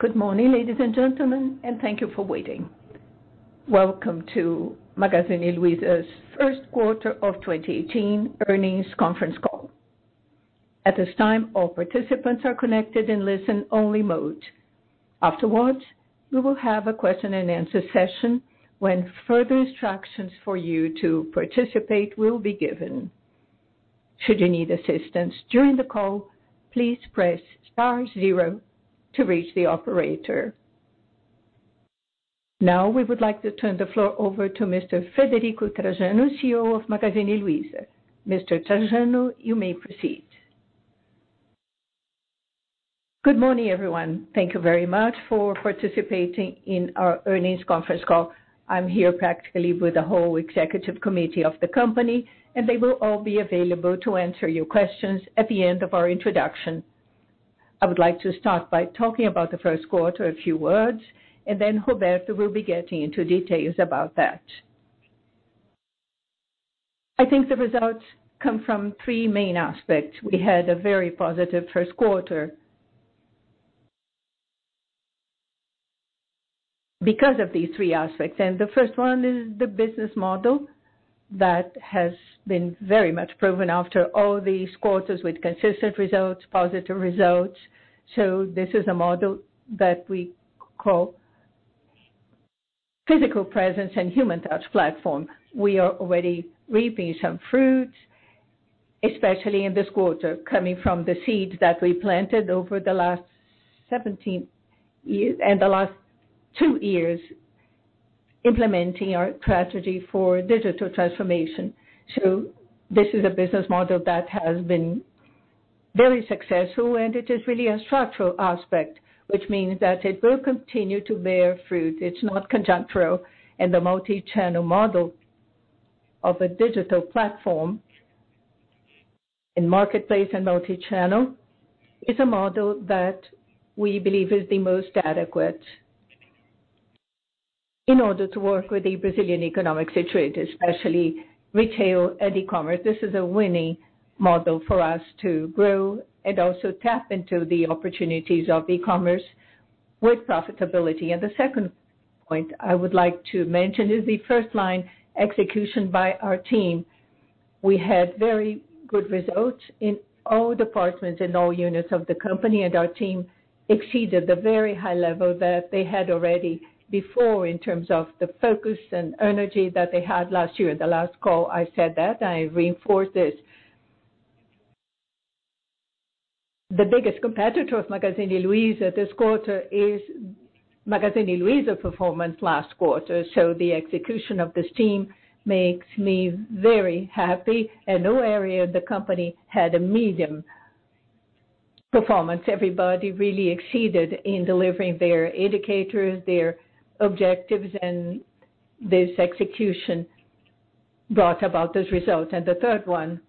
Good morning, ladies and gentlemen. Thank you for waiting. Welcome to Magazine Luiza's first quarter of 2018 earnings conference call. At this time, all participants are connected in listen only mode. Afterwards, we will have a question and answer session when further instructions for you to participate will be given. Should you need assistance during the call, please press star zero to reach the operator. Now, we would like to turn the floor over to Mr. Frederico Trajano, CEO of Magazine Luiza. Mr. Trajano, you may proceed. Good morning, everyone. Thank you very much for participating in our earnings conference call. I'm here practically with the whole executive committee of the company. They will all be available to answer your questions at the end of our introduction. I would like to start by talking about the first quarter, a few words, and then Roberto will be getting into details about that. I think the results come from three main aspects. We had a very positive first quarter because of these three aspects. The first one is the business model that has been very much proven after all these quarters with consistent results, positive results. This is a model that we call physical presence and human touch platform. We are already reaping some fruits, especially in this quarter, coming from the seeds that we planted over the last 17 years and the last two years implementing our strategy for digital transformation. This is a business model that has been very successful. It is really a structural aspect, which means that it will continue to bear fruit. It's not conjuncture in the multi-channel model of a digital platform. In marketplace and multi-channel, it's a model that we believe is the most adequate in order to work with the Brazilian economic situation, especially retail and e-commerce. This is a winning model for us to grow and also tap into the opportunities of e-commerce with profitability. The second point I would like to mention is the first line execution by our team. We had very good results in all departments, in all units of the company. Our team exceeded the very high level that they had already before in terms of the focus and energy that they had last year. At the last call, I said that. I reinforce this. The biggest competitor of Magazine Luiza this quarter is Magazine Luiza performance last quarter. The execution of this team makes me very happy. No area of the company had a medium performance. Everybody really exceeded in delivering their indicators, their objectives. This execution brought about this result. The third one,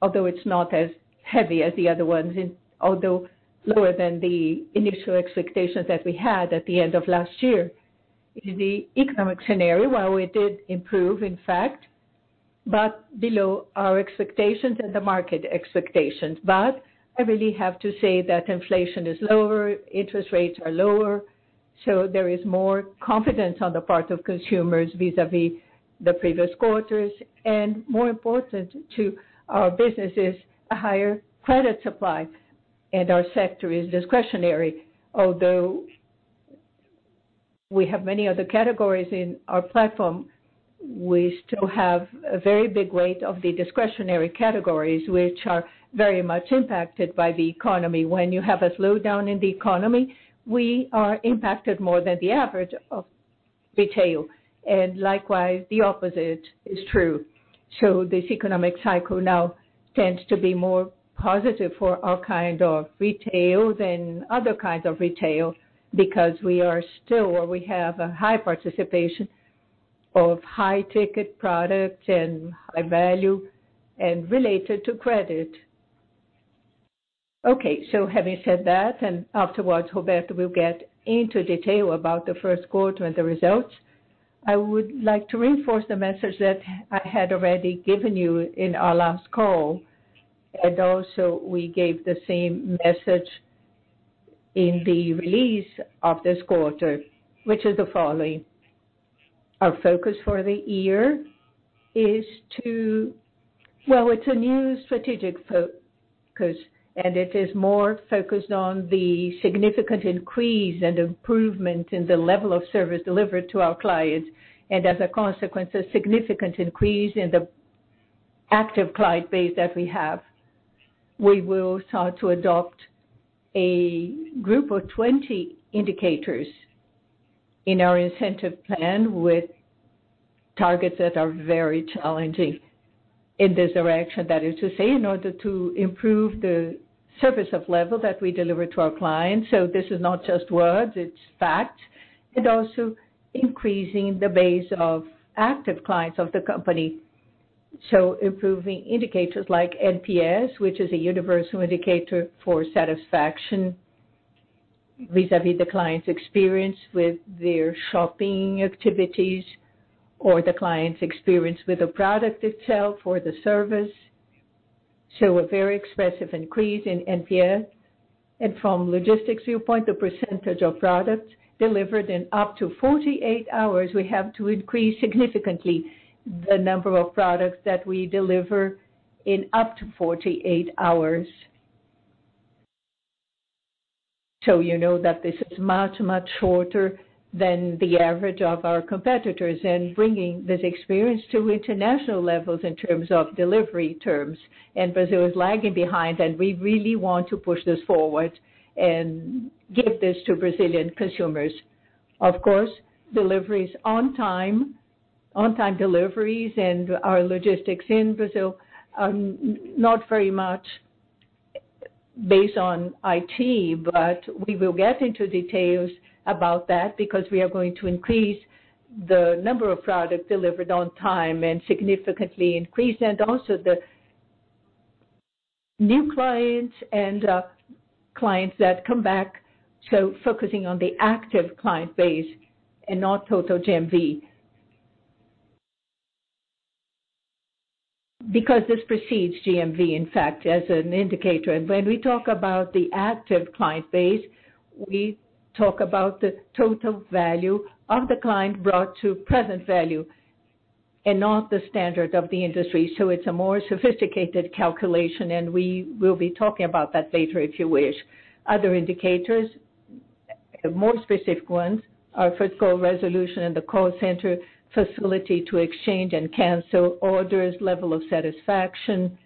although it's not as heavy as the other ones, although lower than the initial expectations that we had at the end of last year, is the economic scenario. While we did improve, in fact, below our expectations and the market expectations. I really have to say that inflation is lower, interest rates are lower. There is more confidence on the part of consumers vis-a-vis the previous quarters. More important to our business is a higher credit supply. Our sector is discretionary. Although we have many other categories in our platform, we still have a very big weight of the discretionary categories, which are very much impacted by the economy. When you have a slowdown in the economy, we are impacted more than the average of retail, and likewise, the opposite is true. This economic cycle now tends to be more positive for our kind of retail than other kinds of retail because we are still, or we have a high participation of high-ticket product and high-value and related to credit. Okay. Having said that, and afterwards Roberto will get into detail about the first quarter and the results, I would like to reinforce the message that I had already given you in our last call, and also we gave the same message in the release of this quarter, which is the following. Our focus for the year is to Well, it's a new strategic focus, and it is more focused on the significant increase and improvement in the level of service delivered to our clients, and as a consequence, a significant increase in the active client base that we have. We will start to adopt a group of 20 indicators in our incentive plan with targets that are very challenging in this direction. That is to say, in order to improve the service of level that we deliver to our clients. This is not just words, it's facts. Also increasing the base of active clients of the company. Improving indicators like NPS, which is a universal indicator for satisfaction vis-à-vis the client's experience with their shopping activities or the client's experience with the product itself or the service. A very expressive increase in NPS. From logistics viewpoint, the percentage of products delivered in up to 48 hours, we have to increase significantly the number of products that we deliver in up to 48 hours. You know that this is much, much shorter than the average of our competitors and bringing this experience to international levels in terms of delivery terms. Brazil is lagging behind, and we really want to push this forward and give this to Brazilian consumers. Of course, deliveries on time. On-time deliveries and our logistics in Brazil are not very much based on IT, but we will get into details about that because we are going to increase the number of products delivered on time and significantly increase. Also the new clients and clients that come back, so focusing on the active client base and not total GMV. Because this precedes GMV, in fact, as an indicator. When we talk about the active client base, we talk about the total value of the client brought to present value and not the standard of the industry. It's a more sophisticated calculation, and we will be talking about that later, if you wish. Other indicators, more specific ones, are physical resolution in the call center, facility to exchange and cancel orders, level of satisfaction.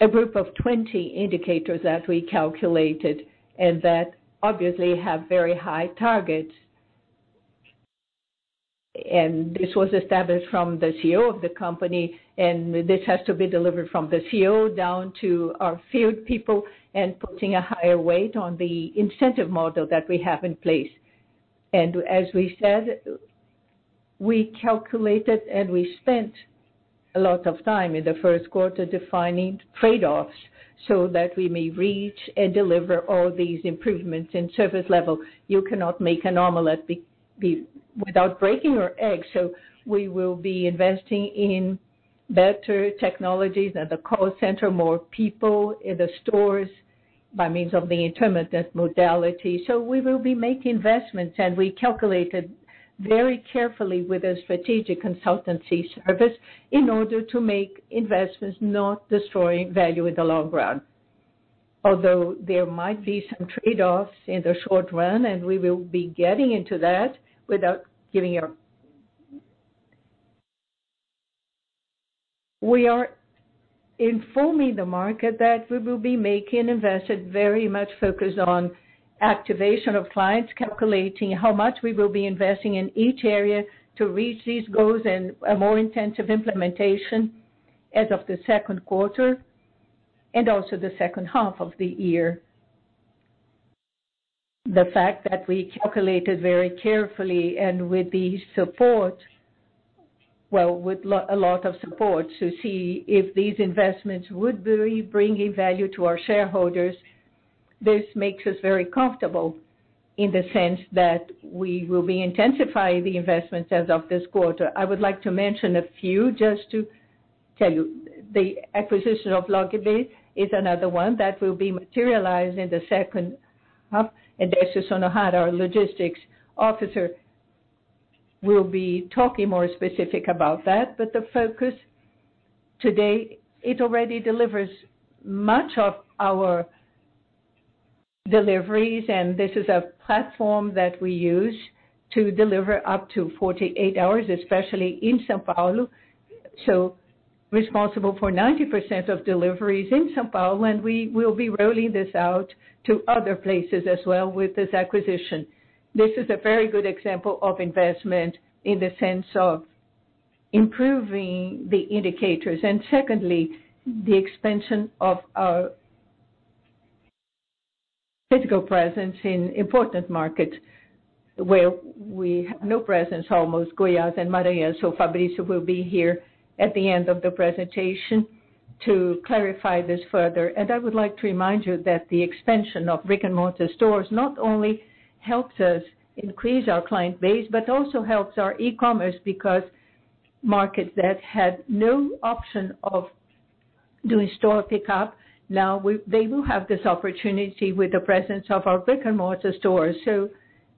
A group of 20 indicators that we calculated and that obviously have very high targets. This was established from the CEO of the company, and this has to be delivered from the CEO down to our field people and putting a higher weight on the incentive model that we have in place. As we said, we calculated and we spent a lot of time in the first quarter defining trade-offs so that we may reach and deliver all these improvements in service level. You cannot make an omelet without breaking your eggs. We will be investing in better technologies at the call center, more people in the stores by means of the intermittent modality. We will be making investments, and we calculated very carefully with a strategic consultancy service in order to make investments not destroying value in the long run. Although there might be some trade-offs in the short run, we will be getting into that. We are informing the market that we will be making investment very much focused on activation of clients, calculating how much we will be investing in each area to reach these goals and a more intensive implementation as of the second quarter and also the second half of the year. The fact that we calculated very carefully and with the support, well, with a lot of support to see if these investments would be bringing value to our shareholders, this makes us very comfortable in the sense that we will be intensifying the investments as of this quarter. I would like to mention a few just to tell you. The acquisition of Loggi is another one that will be materialized in the second half. Decio Sonohara, our logistics officer, will be talking more specific about that. The focus today, it already delivers much of our deliveries, and this is a platform that we use to deliver up to 48 hours, especially in São Paulo. Responsible for 90% of deliveries in São Paulo, we will be rolling this out to other places as well with this acquisition. This is a very good example of investment in the sense of improving the indicators. Secondly, the expansion of our physical presence in important markets where we have no presence almost, Goiás and Manaus. Fabrício will be here at the end of the presentation to clarify this further. I would like to remind you that the expansion of brick-and-mortar stores not only helps us increase our client base but also helps our e-commerce because markets that had no option of doing store pickup, now they will have this opportunity with the presence of our brick-and-mortar stores.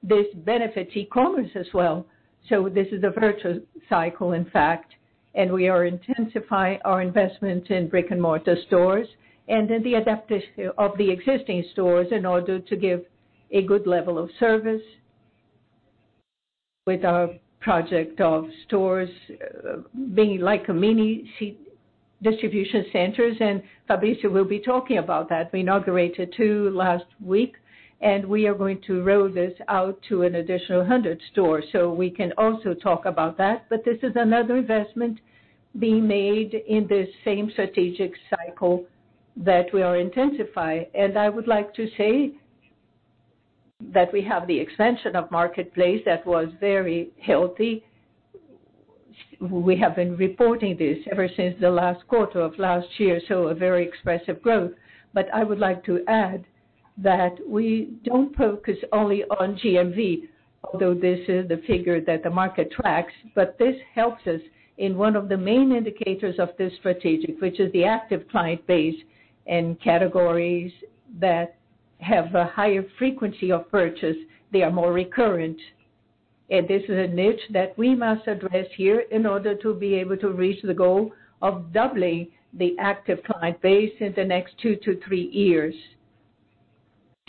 This benefits e-commerce as well. This is a virtual cycle, in fact, we are intensifying our investment in brick-and-mortar stores and in the adaptation of the existing stores in order to give a good level of service with our project of stores being like mini distribution centers. Fabrício will be talking about that. We inaugurated two last week, we are going to roll this out to an additional 100 stores, so we can also talk about that. This is another investment being made in this same strategic cycle that we are intensifying. I would like to say that we have the expansion of marketplace that was very healthy. We have been reporting this ever since the last quarter of last year, a very expressive growth. I would like to add that we don't focus only on GMV, although this is the figure that the market tracks. This helps us in one of the main indicators of this strategy, which is the active client base and categories that have a higher frequency of purchase. They are more recurrent. This is a niche that we must address here in order to be able to reach the goal of doubling the active client base in the next two to three years.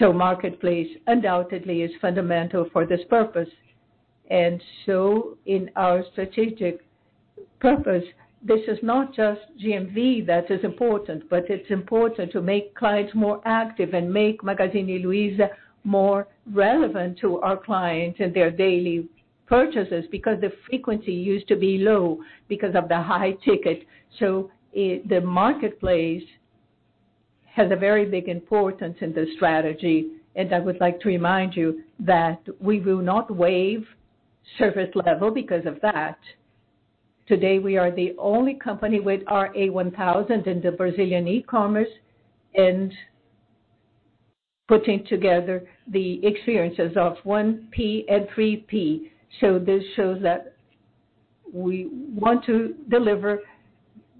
Marketplace undoubtedly is fundamental for this purpose. In our strategic purpose, this is not just GMV that is important, but it's important to make clients more active and make Magazine Luiza more relevant to our clients and their daily purchases because the frequency used to be low because of the high ticket. The marketplace has a very big importance in the strategy. I would like to remind you that we will not waive service level because of that. Today we are the only company with our A1000 in the Brazilian e-commerce and putting together the experiences of 1P and 3P. This shows that we want to deliver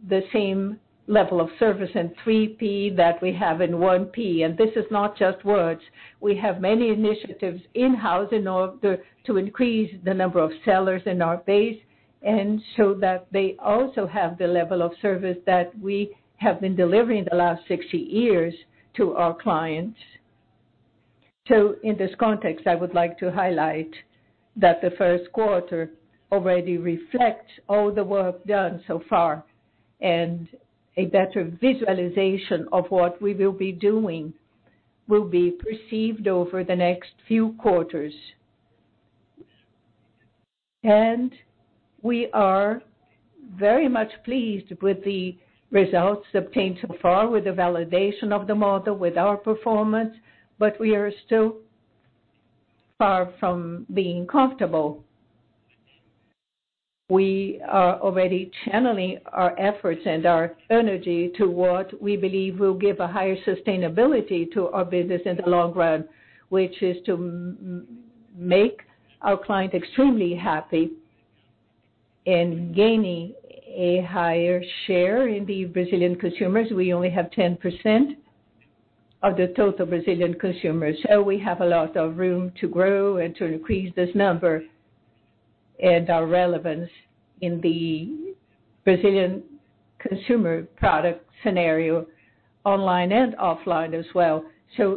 the same level of service in 3P that we have in 1P. This is not just words. We have many initiatives in-house in order to increase the number of sellers in our base and so that they also have the level of service that we have been delivering the last 60 years to our clients. In this context, I would like to highlight that the first quarter already reflects all the work done so far, and a better visualization of what we will be doing will be perceived over the next few quarters. We are very much pleased with the results obtained so far with the validation of the model, with our performance, we are still far from being comfortable. We are already channeling our efforts and our energy to what we believe will give a higher sustainability to our business in the long run, which is to make our client extremely happy and gaining a higher share in the Brazilian consumers. We only have 10% of the total Brazilian consumers. We have a lot of room to grow and to increase this number and our relevance in the Brazilian consumer product scenario, online and offline as well.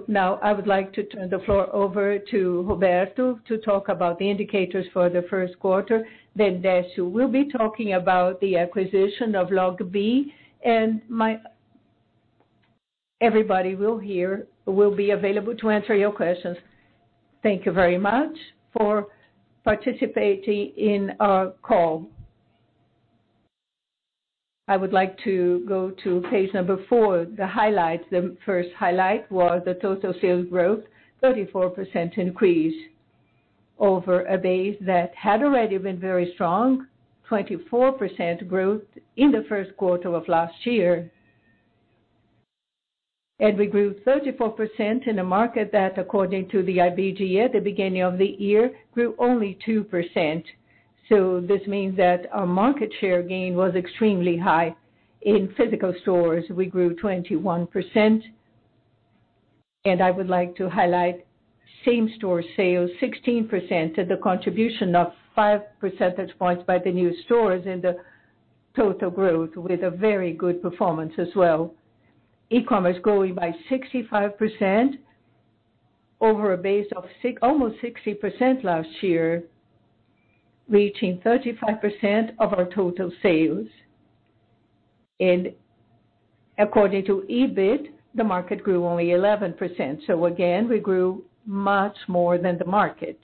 Now I would like to turn the floor over to Roberto to talk about the indicators for the first quarter, then Decio will be talking about the acquisition of Loggi. Everybody will be available to answer your questions. Thank you very much for participating in our call. I would like to go to page number four, the highlights. The first highlight was the total sales growth, 34% increase over a base that had already been very strong, 24% growth in the first quarter of last year. We grew 34% in a market that according to the IBGE at the beginning of the year, grew only 2%. This means that our market share gain was extremely high. In physical stores, we grew 21%. I would like to highlight same-store sales, 16%, and the contribution of five percentage points by the new stores in the total growth with a very good performance as well. E-commerce growing by 65% over a base of almost 60% last year, reaching 35% of our total sales. According to Ebit, the market grew only 11%. Again, we grew much more than the market.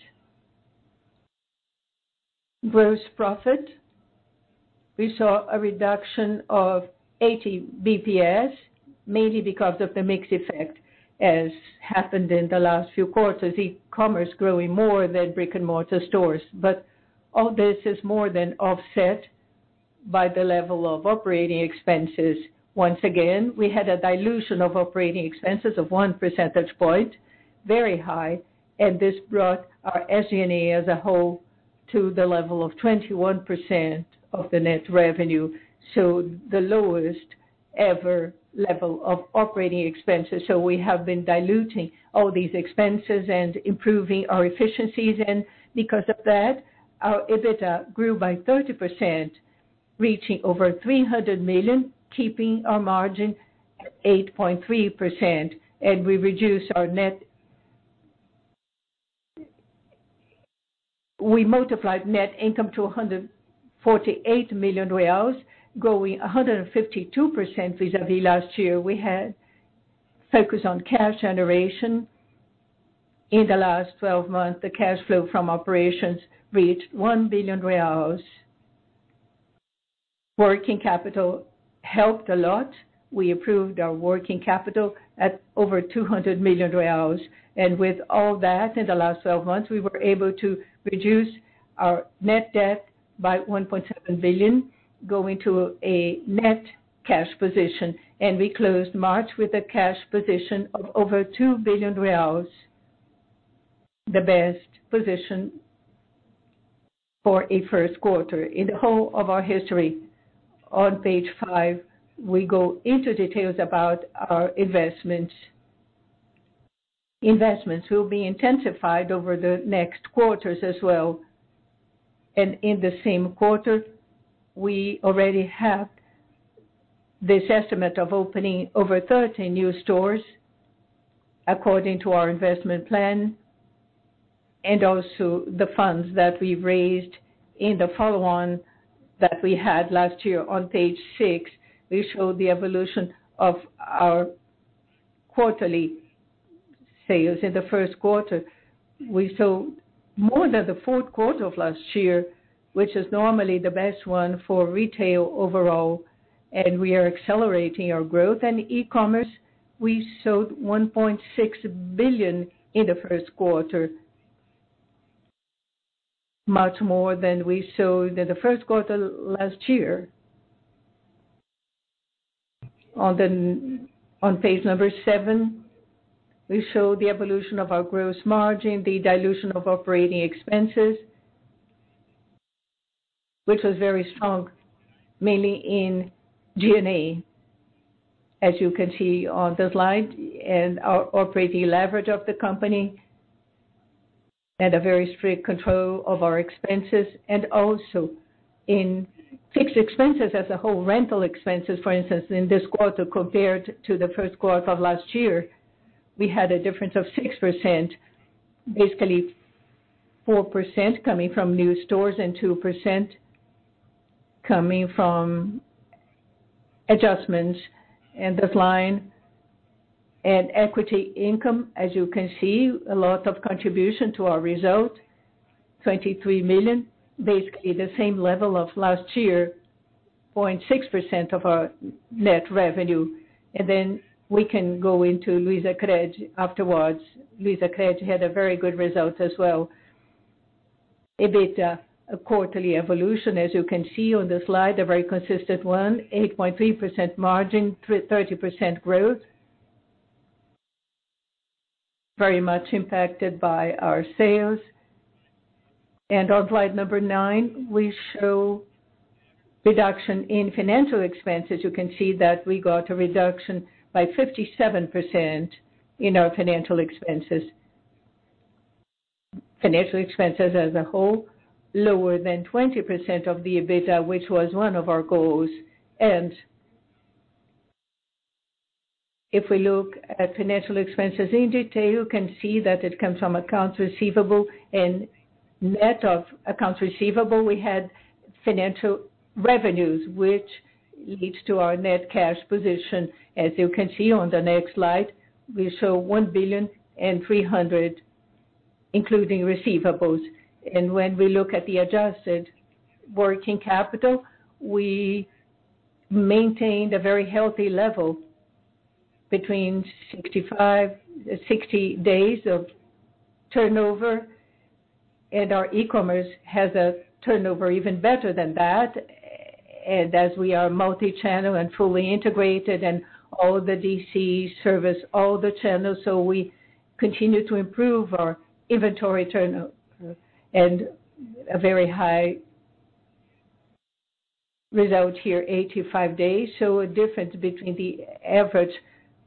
Gross profit, we saw a reduction of 80 basis points, mainly because of the mix effect as happened in the last few quarters, e-commerce growing more than brick-and-mortar stores. All this is more than offset by the level of operating expenses. Once again, we had a dilution of operating expenses of one percentage point, very high. This brought our SG&A as a whole to the level of 21% of the net revenue. The lowest ever level of operating expenses. We have been diluting all these expenses and improving our efficiencies. Because of that, our EBITDA grew by 30%, reaching over 300 million, keeping our margin at 8.3%. We reduced our net. We multiplied net income to 148 million reais, growing 152% vis-à-vis last year. We had focus on cash generation. In the last 12 months, the cash flow from operations reached 1 billion reais. Working capital helped a lot. We improved our working capital at over 200 million reais. With all that in the last 12 months, we were able to reduce our net debt by 1.7 billion, going to a net cash position. We closed March with a cash position of over 2 billion reais, the best position for a first quarter in the whole of our history. On page five, we go into details about our investments. Investments will be intensified over the next quarters as well. In the same quarter, we already have this estimate of opening over 30 new stores according to our investment plan, and also the funds that we raised in the follow-on that we had last year. On page six, we show the evolution of our quarterly sales. In the first quarter, we sold more than the fourth quarter of last year, which is normally the best one for retail overall, and we are accelerating our growth. E-commerce, we sold 1.6 billion in the first quarter, much more than we sold in the first quarter last year. On page number seven, we show the evolution of our gross margin, the dilution of operating expenses, which was very strong, mainly in G&A, as you can see on the slide, our operating leverage of the company, and a very strict control of our expenses. Also in fixed expenses as a whole, rental expenses, for instance, in this quarter compared to the first quarter of last year, we had a difference of 6%, basically 4% coming from new stores and 2% coming from adjustments in this line. Equity income, as you can see, a lot of contribution to our result, 23 million, basically the same level of last year, 0.6% of our net revenue. We can go into LuizaCred afterwards. LuizaCred had a very good result as well. EBITDA, quarterly evolution, as you can see on the slide, a very consistent one, 8.3% margin, 30% growth. Very much impacted by our sales. On slide number nine, we show reduction in financial expenses. You can see that we got a reduction by 57% in our financial expenses. Financial expenses as a whole, lower than 20% of the EBITDA, which was one of our goals. If we look at financial expenses in detail, you can see that it comes from accounts receivable. Net of accounts receivable, we had financial revenues, which leads to our net cash position. As you can see on the next slide, we show 1.3 billion, including receivables. When we look at the adjusted working capital, we maintained a very healthy level between 65, 60 days of turnover, and our e-commerce has a turnover even better than that. As we are multi-channel and fully integrated and all the DC service, all the channels, we continue to improve our inventory turnover and a very high result here, 85 days. A difference between the average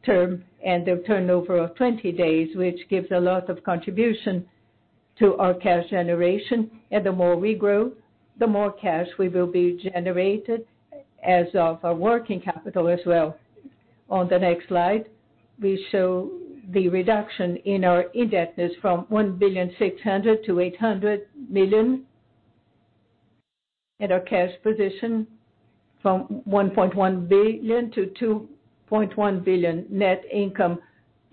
term and the turnover of 20 days, which gives a lot of contribution to our cash generation. The more we grow, the more cash we will be generating as of our working capital as well. On the next slide, we show the reduction in our indebtedness from 1.6 billion to 800 million, and our cash position from 1.1 billion to 2.1 billion. Net income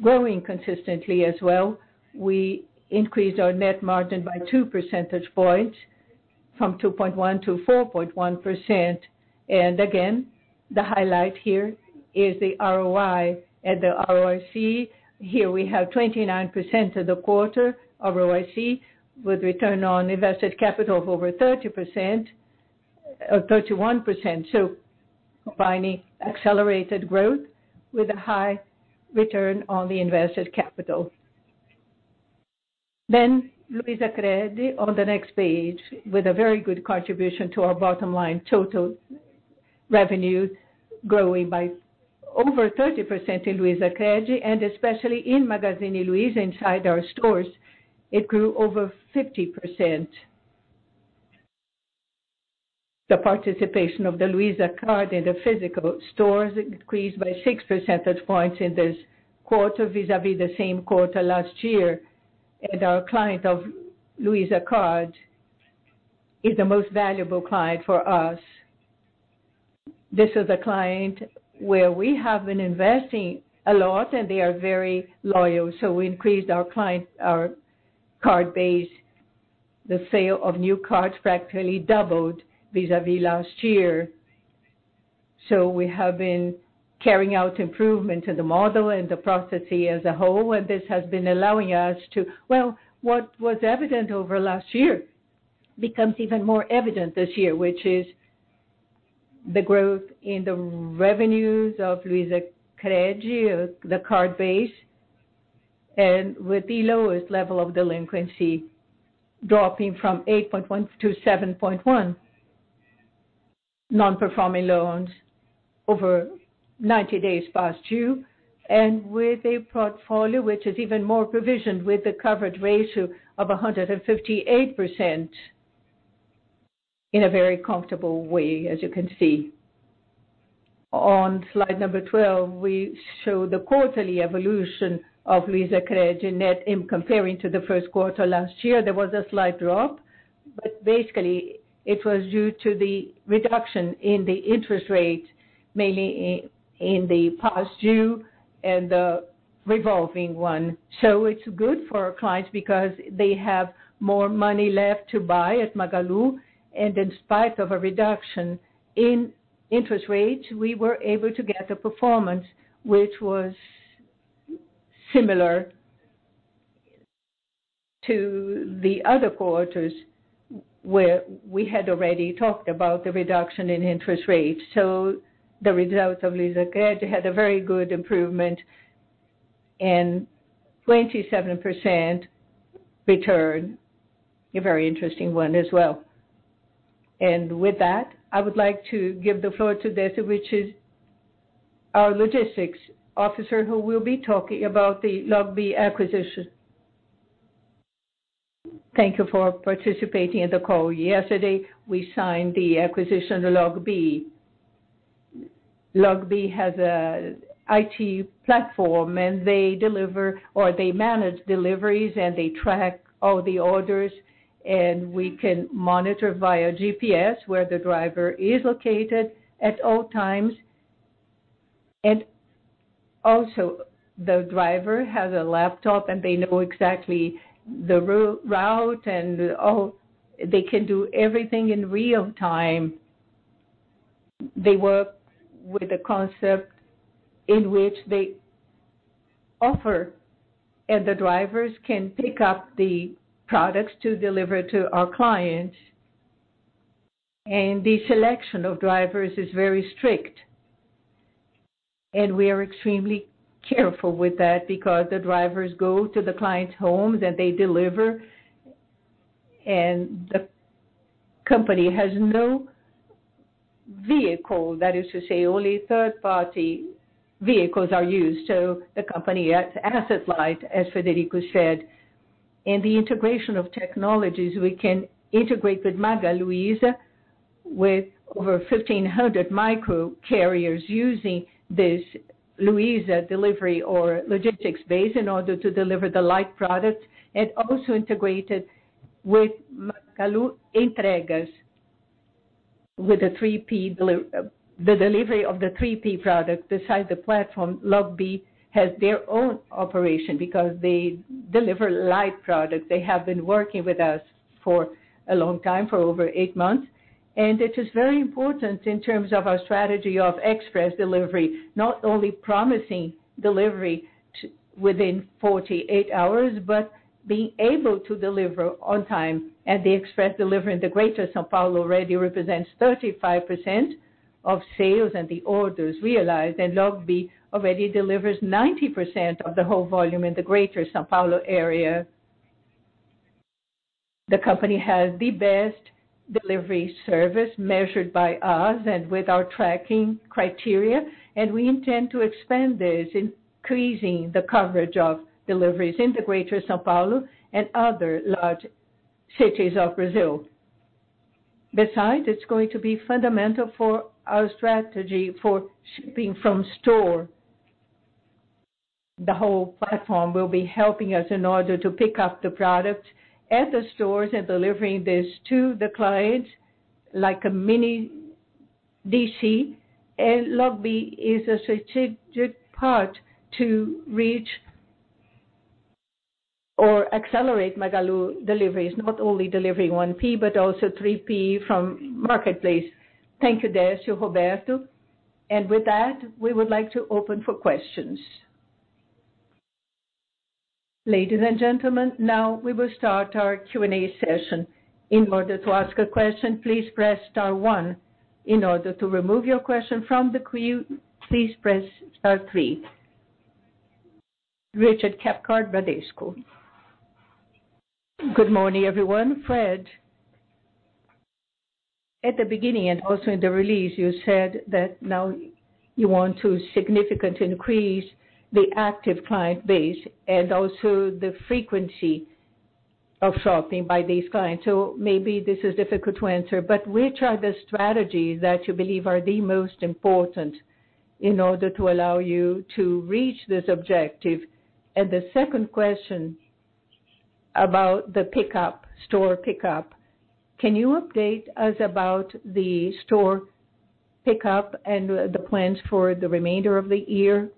growing consistently as well. We increased our net margin by two percentage points from 2.1% to 4.1%. Again, the highlight here is the ROI and the ROIC. Here we have 29% of the quarter ROIC, with return on invested capital of over 30%, or 31%. Combining accelerated growth with a high return on the invested capital. LuizaCred on the next page, with a very good contribution to our bottom line. Total revenue growing by over 30% in LuizaCred and especially in Magazine Luiza inside our stores, it grew over 50%. The participation of the Luiza Card in the physical stores increased by six percentage points in this quarter vis-a-vis the same quarter last year. Our client of Luiza Card is the most valuable client for us. This is a client where we have been investing a lot, and they are very loyal. We increased our client Card base, the sale of new cards practically doubled vis-a-vis last year. We have been carrying out improvement to the model and the processes as a whole, and this has been allowing us to. What was evident over last year becomes even more evident this year, which is the growth in the revenues of LuizaCred, the card base. With the lowest level of delinquency dropping from 8.1 to 7.1 non-performing loans over 90 days past due, and with a portfolio which is even more provisioned with a coverage ratio of 158% in a very comfortable way, as you can see. On slide number 12, we show the quarterly evolution of LuizaCred net. In comparing to the first quarter last year, there was a slight drop. Basically, it was due to the reduction in the interest rate, mainly in the past due and the revolving one. It's good for our clients because they have more money left to buy at Magalu. In spite of a reduction in interest rates, we were able to get a performance which was similar to the other quarters where we had already talked about the reduction in interest rates. The results of LuizaCred had a very good improvement and 27% return, a very interesting one as well. With that, I would like to give the floor to Decio, which is our logistics officer, who will be talking about the Loggi acquisition. Thank you for participating in the call. Yesterday we signed the acquisition of Loggi. Loggi has an IT platform, they deliver or they manage deliveries, they track all the orders, and we can monitor via GPS where the driver is located at all times. Also, the driver has a laptop, they know exactly the route and all. They can do everything in real time. They work with a concept in which they offer, the drivers can pick up the products to deliver to our clients. The selection of drivers is very strict. We are extremely careful with that because the drivers go to the clients' homes, they deliver. The company has no vehicle. That is to say, only third-party vehicles are used. The company is asset-light, as Frederico said. In the integration of technologies, we can integrate with Magazine Luiza, with over 1,500 microcarriers using this Luiza delivery or logistics base in order to deliver the light products. Also integrated with Magalu Entregas with the delivery of the 3P product. Besides the platform, Loggi has their own operation because they deliver light products. They have been working with us for a long time, for over eight months. It is very important in terms of our strategy of express delivery, not only promising delivery within 48 hours but being able to deliver on time. The express delivery in the Greater São Paulo already represents 35% of sales and the orders realized. Loggi already delivers 90% of the whole volume in the Greater São Paulo area. The company has the best delivery service measured by us and with our tracking criteria, we intend to expand this, increasing the coverage of deliveries in the Greater São Paulo and other large cities of Brazil. It's going to be fundamental for our strategy for shipping from store. The whole platform will be helping us in order to pick up the products at the stores and delivering this to the clients like a mini DC. Loggi is a strategic part to reach or accelerate Magalu deliveries, not only delivering 1P but also 3P from Marketplace. Thank you, Decio, Roberto. With that, we would like to open for questions. Ladies and gentlemen, now we will start our Q&A session. In order to ask a question, please press star one. In order to remove your question from the queue, please press star three. Ricardo Garrido, Bradesco. Good morning, everyone. Fred, at the beginning and also in the release, you said that now you want to significantly increase the active client base and also the frequency of shopping by these clients. Maybe this is difficult to answer, which are the strategies that you believe are the most important in order to allow you to reach this objective? The second question about the store pickup. Can you update us about the store pickup and the plans for the remainder of the year.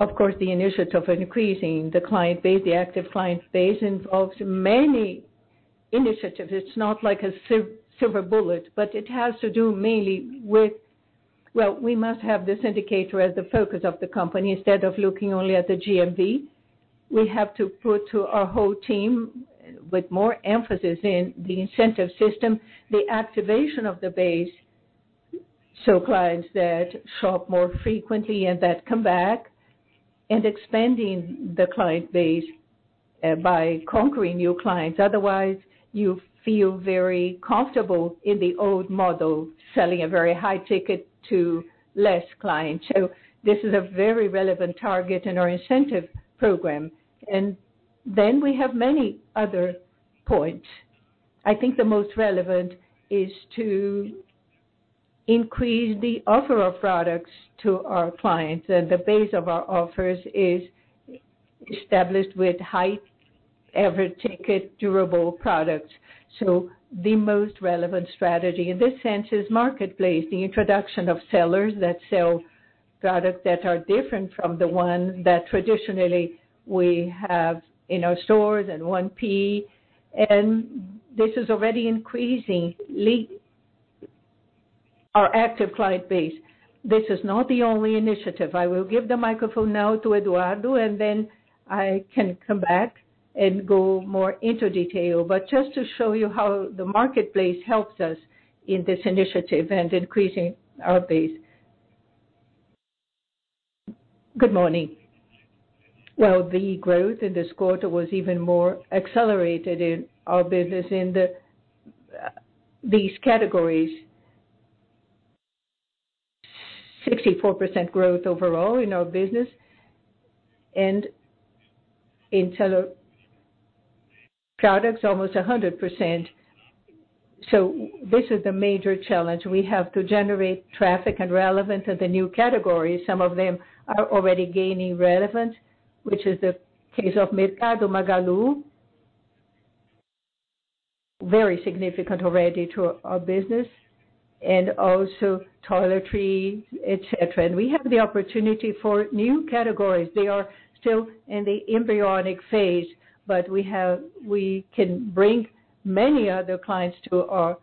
Of course, the initiative increasing the active client base involves many initiatives. It's not like a silver bullet, it has to do mainly. Well, we must have this indicator as the focus of the company instead of looking only at the GMV. We have to put to our whole team, with more emphasis in the incentive system, the activation of the base, so clients that shop more frequently and that come back, and expanding the client base by conquering new clients. You feel very comfortable in the old model, selling a very high ticket to less clients. This is a very relevant target in our incentive program. We have many other points. I think the most relevant is to increase the offer of products to our clients, the base of our offers is established with high average ticket durable products. The most relevant strategy in this sense is marketplace, the introduction of sellers that sell products that are different from the ones that traditionally we have in our stores and 1P. This is already increasing our active client base. This is not the only initiative. I will give the microphone now to Eduardo, I can come back and go more into detail. Just to show you how the marketplace helps us in this initiative and increasing our base. Good morning. Well, the growth in this quarter was even more accelerated in our business in these categories. 64% growth overall in our business and in seller products, almost 100%. This is the major challenge. We have to generate traffic and relevance in the new categories. Some of them are already gaining relevance, which is the case of Mercado Magalu. Very significant already to our business and also toiletries, et cetera. We have the opportunity for new categories. They are still in the embryonic phase, we can bring many other clients to our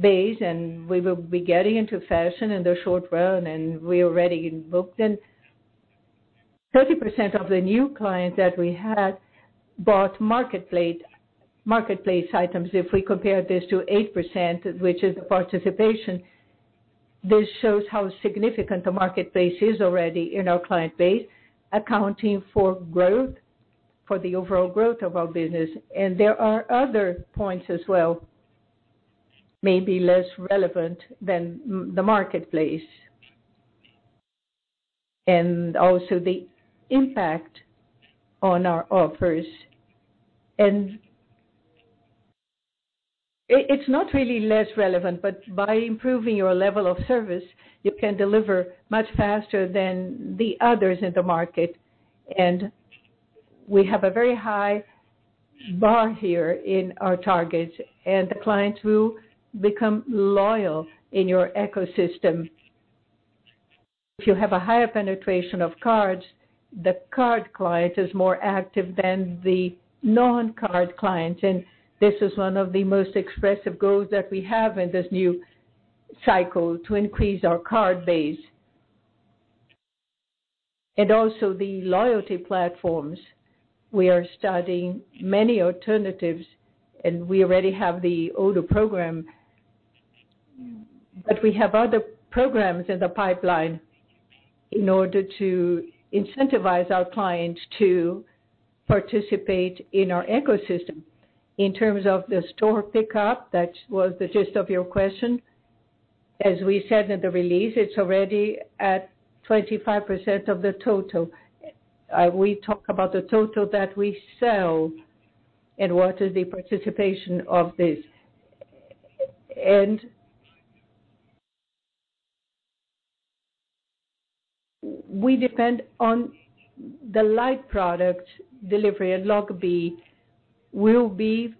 base, we will be getting into fashion in the short run, we already booked in. 30% of the new clients that we had bought marketplace items. If we compare this to 8%, which is the participation, this shows how significant the marketplace is already in our client base, accounting for the overall growth of our business. There are other points as well, maybe less relevant than the marketplace. Also the impact on our offers. It's not really less relevant, by improving your level of service, you can deliver much faster than the others in the market. We have a very high bar here in our targets, the clients will become loyal in your ecosystem. If you have a higher penetration of cards, the card client is more active than the non-card client, this is one of the most expressive goals that we have in this new cycle to increase our card base. Also the loyalty platforms. We are studying many alternatives, we already have the. [inaudible] We have other programs in the pipeline in order to incentivize our clients to participate in our ecosystem. In terms of the store pickup, that was the gist of your question. As we said in the release, it is already at 25% of the total. We talk about the total that we sell and what is the participation of this. We depend on the light product delivery, and Logbee will be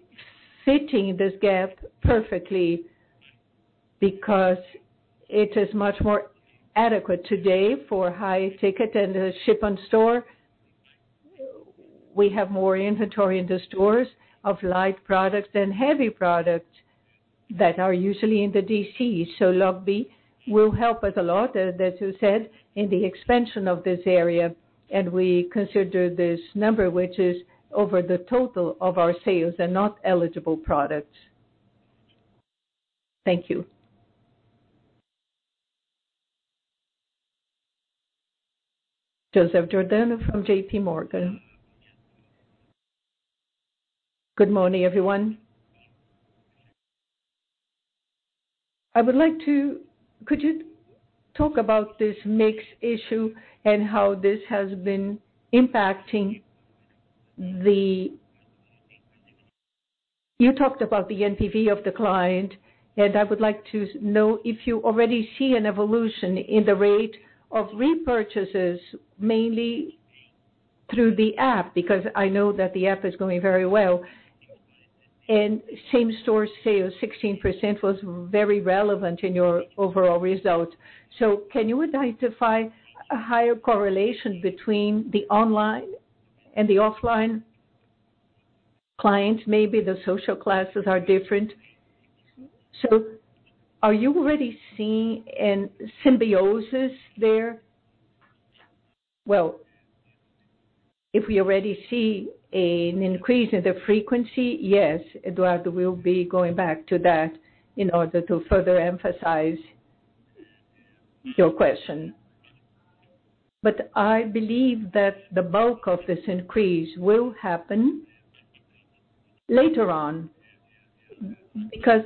fitting this gap perfectly because it is much more adequate today for high ticket and ship on store. We have more inventory in the stores of light products than heavy products that are usually in the DC. Logbee will help us a lot, as you said, in the expansion of this area, and we consider this number, which is over the total of our sales and not eligible products. Thank you. Joseph Giordano from J.P. Morgan. Good morning, everyone. Could you talk about this mix issue and how this has been impacting the You talked about the NPV of the client, and I would like to know if you already see an evolution in the rate of repurchases, mainly through the app, because I know that the app is going very well. Same-store sales, 16% was very relevant in your overall results. Can you identify a higher correlation between the online and the offline clients? Maybe the social classes are different. Are you already seeing a symbiosis there? If we already see an increase in the frequency, yes, Eduardo will be going back to that in order to further emphasize your question. I believe that the bulk of this increase will happen later on because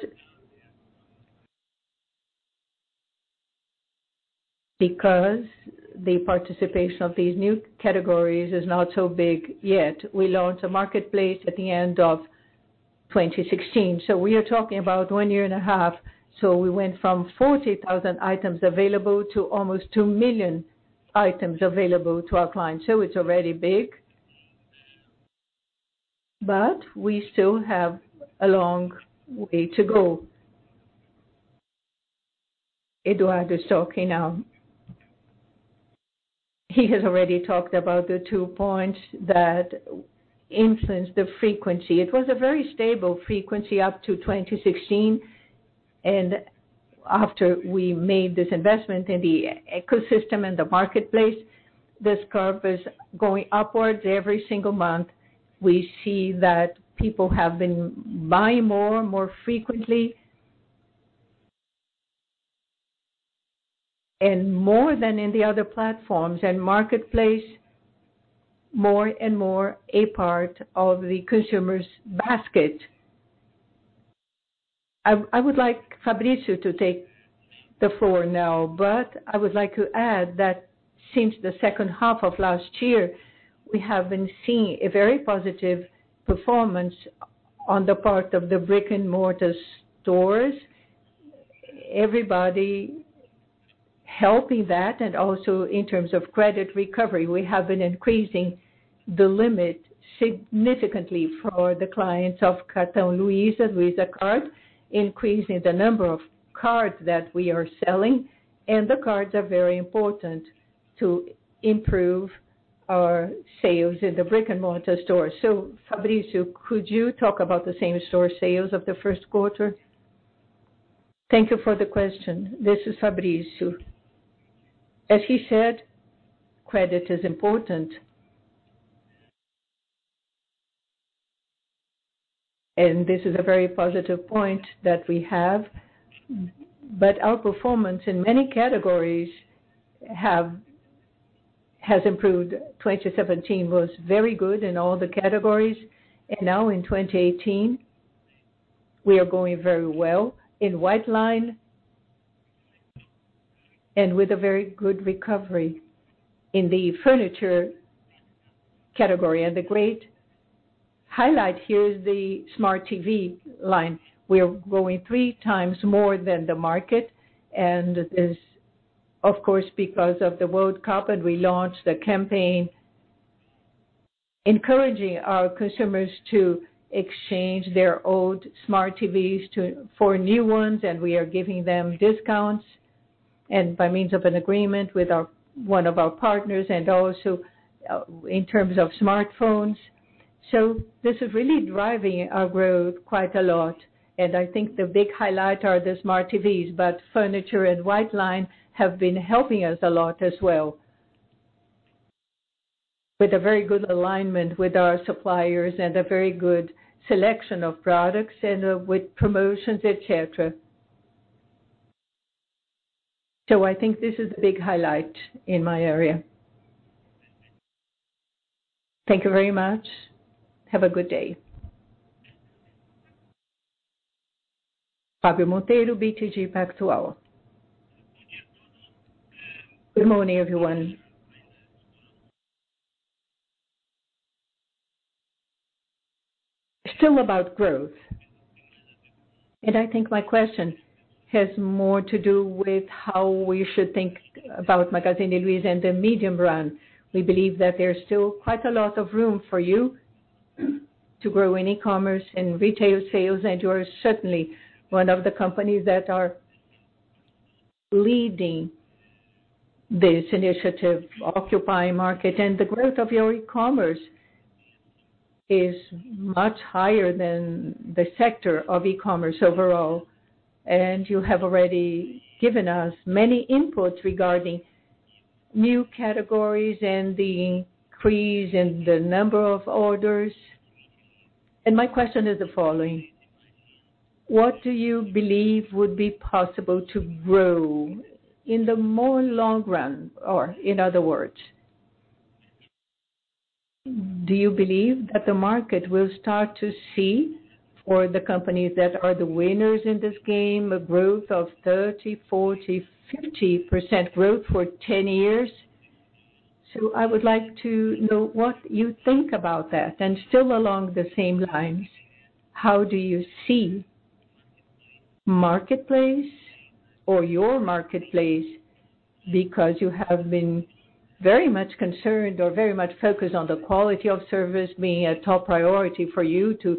the participation of these new categories is not so big yet. We launched a marketplace at the end of 2016. We are talking about one year and a half. We went from 40,000 items available to almost 2 million items available to our clients. It is already big, but we still have a long way to go. Eduardo is talking now. He has already talked about the two points that influence the frequency. It was a very stable frequency up to 2016. After we made this investment in the ecosystem and the marketplace, this curve is going upwards every single month. We see that people have been buying more, more frequently and more than in the other platforms. Marketplace, more and more a part of the consumer's basket. I would like Fabrício to take the floor now. I would like to add that since the second half of last year, we have been seeing a very positive performance on the part of the brick-and-mortar stores, everybody helping that, and also in terms of credit recovery. We have been increasing the limit significantly for the clients of Cartão Luizacard, increasing the number of cards that we are selling, and the cards are very important to improve our sales in the brick-and-mortar stores. Fabrício, could you talk about the same-store sales of the first quarter? Thank you for the question. This is Fabrício. As she said, credit is important. This is a very positive point that we have. Our performance in many categories has improved. 2017 was very good in all the categories. Now in 2018, we are going very well in white line and with a very good recovery in the furniture category. The great highlight here is the smart TV line. We are growing three times more than the market. This, of course, because of the World Cup, and we launched a campaign encouraging our customers to exchange their old smart TVs for new ones. We are giving them discounts, by means of an agreement with one of our partners, also in terms of smartphones. This is really driving our growth quite a lot. I think the big highlight are the smart TVs, but furniture and white line have been helping us a lot as well with a very good alignment with our suppliers and a very good selection of products and with promotions, et cetera. I think this is a big highlight in my area. Thank you very much. Have a good day. Fabio Monteiro, BTG Pactual. Good morning, everyone. Still about growth. I think my question has more to do with how we should think about Magazine Luiza in the medium run. We believe that there's still quite a lot of room for you to grow in e-commerce and retail sales. You are certainly one of the companies that are leading this initiative, occupying market. The growth of your e-commerce is much higher than the sector of e-commerce overall. You have already given us many inputs regarding new categories and the increase in the number of orders. My question is the following: What do you believe would be possible to grow in the more long run? In other words, do you believe that the market will start to see for the companies that are the winners in this game, a growth of 30%, 40%, 50% growth for 10 years. I would like to know what you think about that. Still along the same lines, how do you see marketplace or your marketplace, because you have been very much concerned or very much focused on the quality of service being a top priority for you to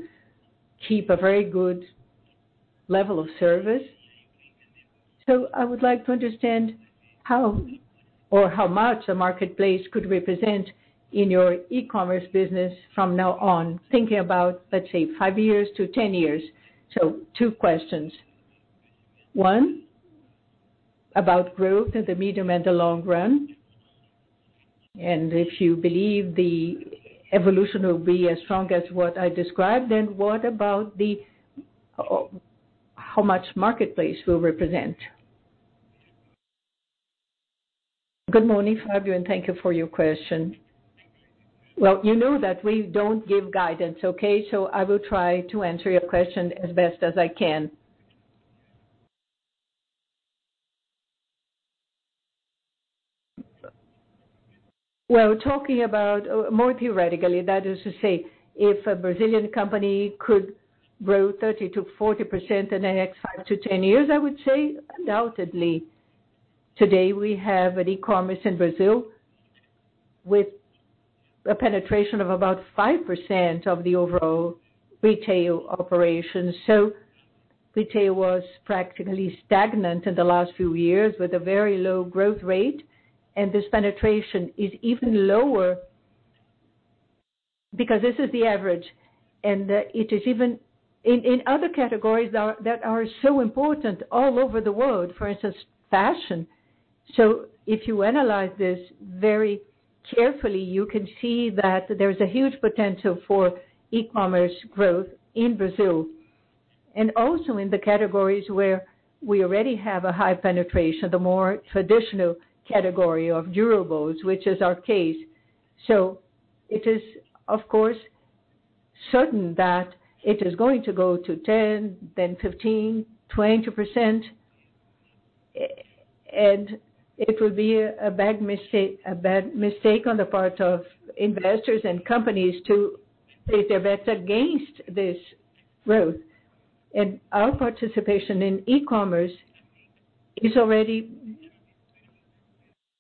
keep a very good level of service. I would like to understand how or how much a marketplace could represent in your e-commerce business from now on, thinking about, let's say, five years to 10 years. Two questions. One, about growth in the medium and the long run. If you believe the evolution will be as strong as what I described, what about how much marketplace will represent? Good morning, Fabio, thank you for your question. Well, you know that we don't give guidance, okay? I will try to answer your question as best as I can. Well, talking about more theoretically, that is to say, if a Brazilian company could grow 30%-40% in the next five to 10 years, I would say undoubtedly. Today we have an e-commerce in Brazil with a penetration of about 5% of the overall retail operations. Retail was practically stagnant in the last few years with a very low growth rate. This penetration is even lower because this is the average. It is even in other categories that are so important all over the world, for instance, fashion. If you analyze this very carefully, you can see that there's a huge potential for e-commerce growth in Brazil. Also in the categories where we already have a high penetration, the more traditional category of durables, which is our case. It is, of course, certain that it is going to go to 10%, then 15%, 20%. It will be a bad mistake on the part of investors and companies to place their bets against this growth. Our participation in e-commerce is already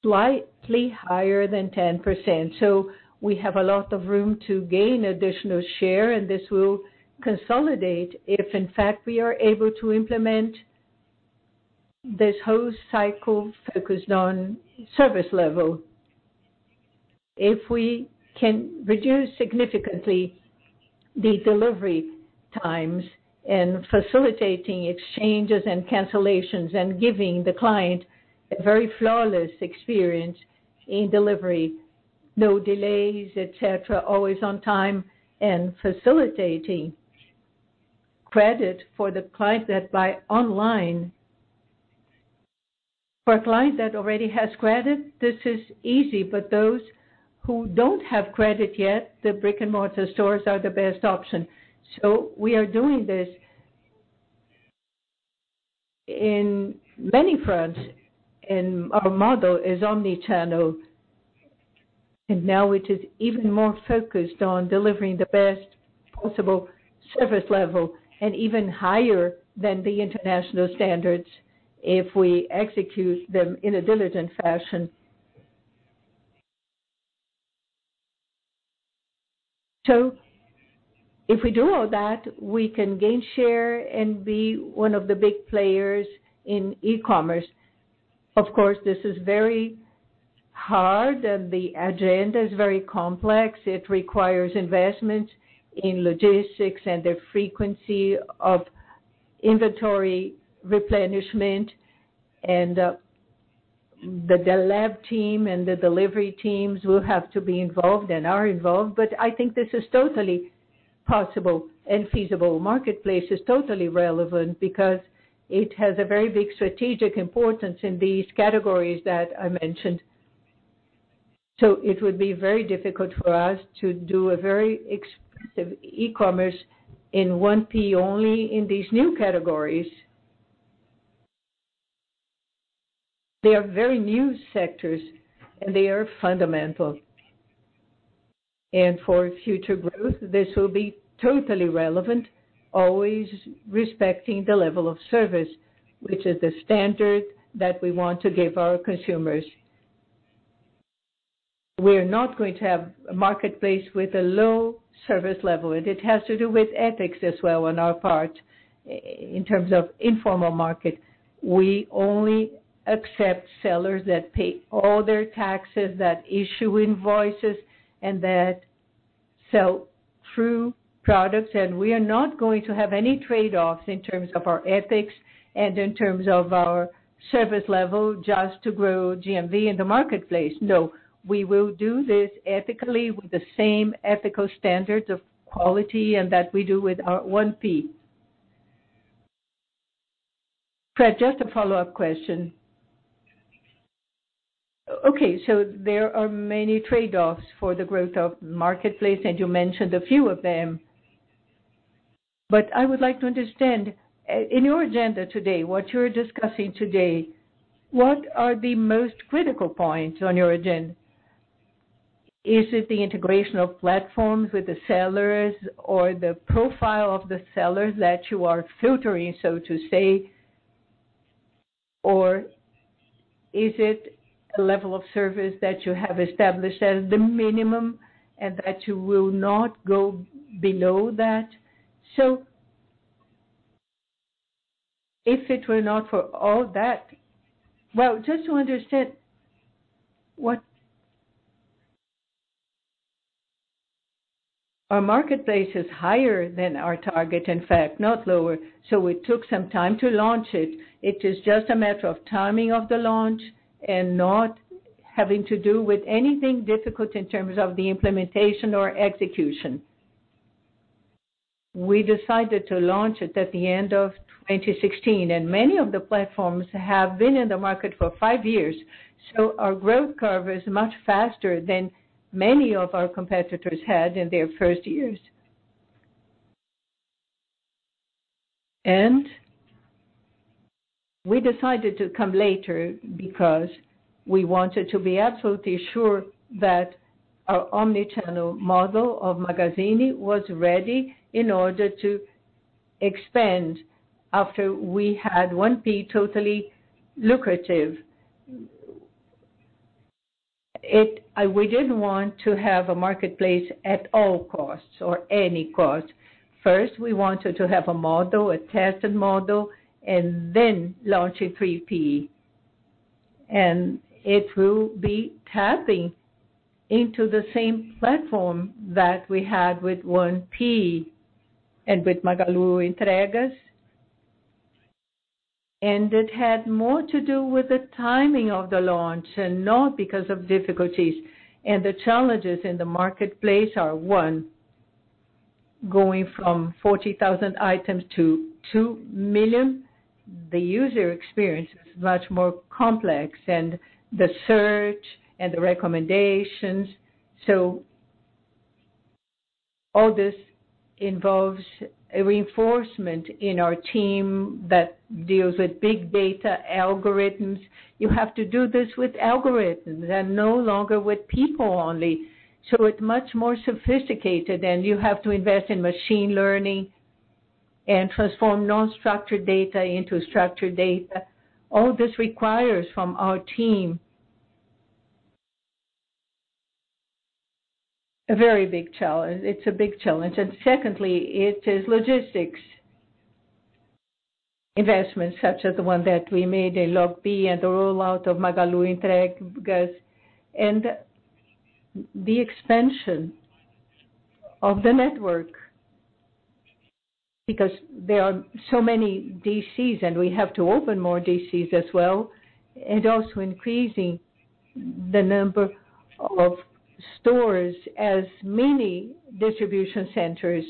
slightly higher than 10%. We have a lot of room to gain additional share, and this will consolidate if in fact we are able to implement this whole cycle focused on service level. If we can reduce significantly the delivery times and facilitating exchanges and cancellations and giving the client a very flawless experience in delivery, no delays, et cetera, always on time and facilitating credit for the client that buy online. For a client that already has credit, this is easy, but those who don't have credit yet, the brick-and-mortar stores are the best option. We are doing this in many fronts and our model is omnichannel. Now it is even more focused on delivering the best possible service level and even higher than the international standards if we execute them in a diligent fashion. If we do all that, we can gain share and be one of the big players in e-commerce. Of course, this is very hard and the agenda is very complex. It requires investments in logistics and the frequency of inventory replenishment. The lab team and the delivery teams will have to be involved and are involved. I think this is totally possible and feasible. Marketplace is totally relevant because it has a very big strategic importance in these categories that I mentioned. It would be very difficult for us to do a very expensive e-commerce in 1P only in these new categories. They are very new sectors and they are fundamental. For future growth, this will be totally relevant, always respecting the level of service, which is the standard that we want to give our consumers. We're not going to have a marketplace with a low service level. It has to do with ethics as well on our part in terms of informal market. We only accept sellers that pay all their taxes, that issue invoices, and that sell true products. We are not going to have any trade-offs in terms of our ethics and in terms of our service level just to grow GMV in the marketplace. No. We will do this ethically with the same ethical standards of quality and that we do with our 1P. Fred, just a follow-up question. Okay, there are many trade-offs for the growth of marketplace, and you mentioned a few of them. I would like to understand, in your agenda today, what you're discussing today, what are the most critical points on your agenda? Is it the integration of platforms with the sellers, or the profile of the sellers that you are filtering, so to say? Or is it the level of service that you have established as the minimum and that you will not go below that? Well, just to understand. Our marketplace is higher than our target, in fact, not lower, so it took some time to launch it. It is just a matter of timing of the launch and not having to do with anything difficult in terms of the implementation or execution. We decided to launch it at the end of 2016, and many of the platforms have been in the market for five years, so our growth curve is much faster than many of our competitors had in their first years. We decided to come later because we wanted to be absolutely sure that our omni-channel model of Magazine was ready in order to expand after we had 1P totally lucrative. We didn't want to have a marketplace at all costs or any cost. First, we wanted to have a model, a tested model, and then launch a 3P. It will be tapping into the same platform that we had with 1P and with Magalu Entregas. It had more to do with the timing of the launch and not because of difficulties. The challenges in the marketplace are, one, going from 40,000 items to 2 million. The user experience is much more complex and the search and the recommendations. All this involves a reinforcement in our team that deals with big data algorithms. You have to do this with algorithms and no longer with people only. It's much more sophisticated, and you have to invest in machine learning and transform non-structured data into structured data. All this requires from our team a very big challenge. It's a big challenge. Secondly, it is logistics. Investments such as the one that we made in Logbee and the rollout of Magalu Entregas and the expansion of the network because there are so many DCs and we have to open more DCs as well, and also increasing the number of stores as mini distribution centers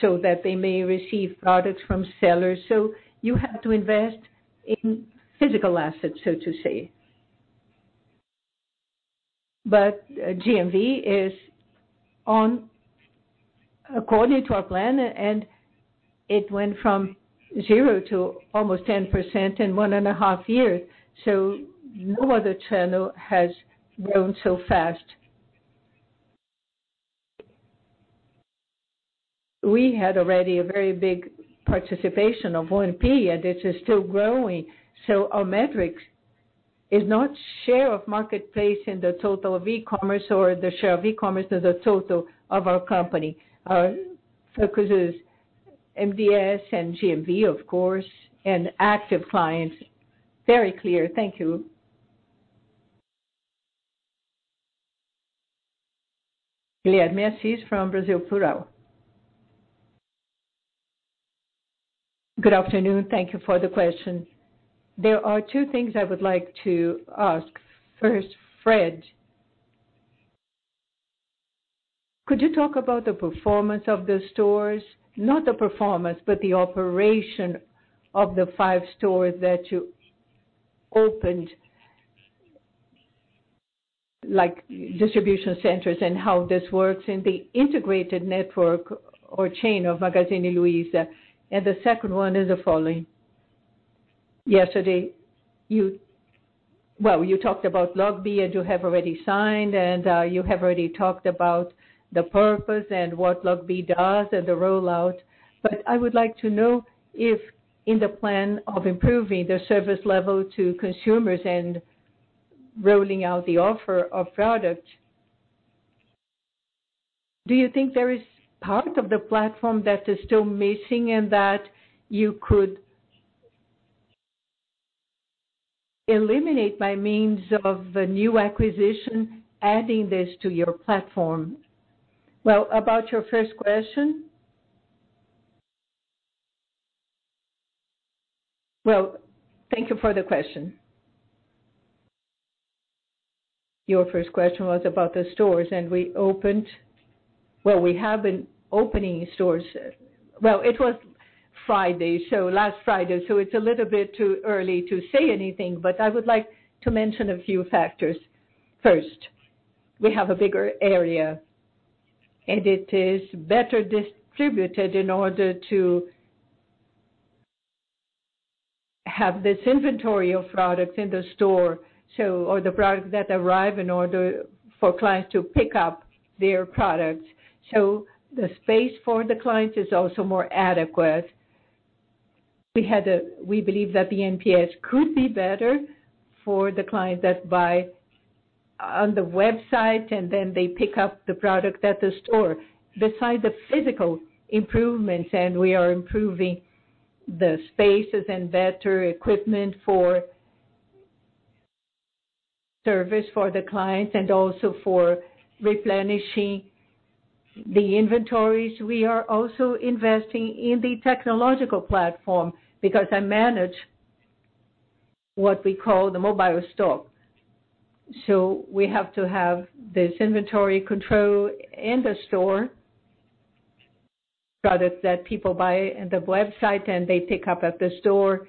so that they may receive products from sellers. You have to invest in physical assets, so to say. GMV is on according to our plan, and it went from 0 to almost 10% in one and a half years. No other channel has grown so fast. We had already a very big participation of 1P, and it is still growing. Our metrics is not share of marketplace in the total of e-commerce or the share of e-commerce in the total of our company. Our focus is [inaudible] and GMV, of course, and active clients. Very clear. Thank you. Leandro Mesquita from Brasil Plural. Good afternoon. Thank you for the question. There are two things I would like to ask. First, Fred, could you talk about the performance of the stores? Not the performance, but the operation of the five stores that you opened, like distribution centers and how this works in the integrated network or chain of Magazine Luiza. The second one is the following. Yesterday, you talked about Logbee, and you have already signed, and you have already talked about the purpose and what Logbee does and the rollout. I would like to know if in the plan of improving the service level to consumers and rolling out the offer of product, do you think there is part of the platform that is still missing and that you could eliminate by means of a new acquisition, adding this to your platform? About your first question. Thank you for the question. Your first question was about the stores. We have been opening stores. It was Friday, last Friday. It's a little bit too early to say anything, but I would like to mention a few factors. First, we have a bigger area. It is better distributed in order to have this inventory of products in the store, or the products that arrive in order for clients to pick up their products. The space for the clients is also more adequate. We believe that the NPS could be better for the clients that buy on the website. Then they pick up the product at the store. Besides the physical improvements, we are improving the spaces and better equipment for service for the clients and also for replenishing the inventories. We are also investing in the technological platform because I manage what we call the mobile stock. We have to have this inventory control in the store, products that people buy in the website. They pick up at the store.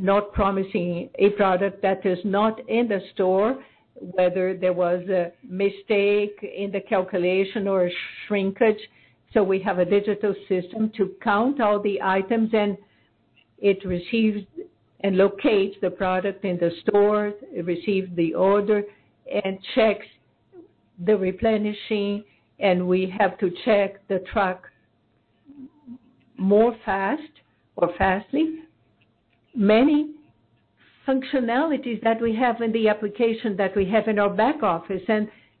Not promising a product that is not in the store, whether there was a mistake in the calculation or a shrinkage. We have a digital system to count all the items. It receives and locates the product in the store. It receives the order and checks the replenishing. We have to check the truck more fast or fastly. Many functionalities that we have in the application that we have in our back office.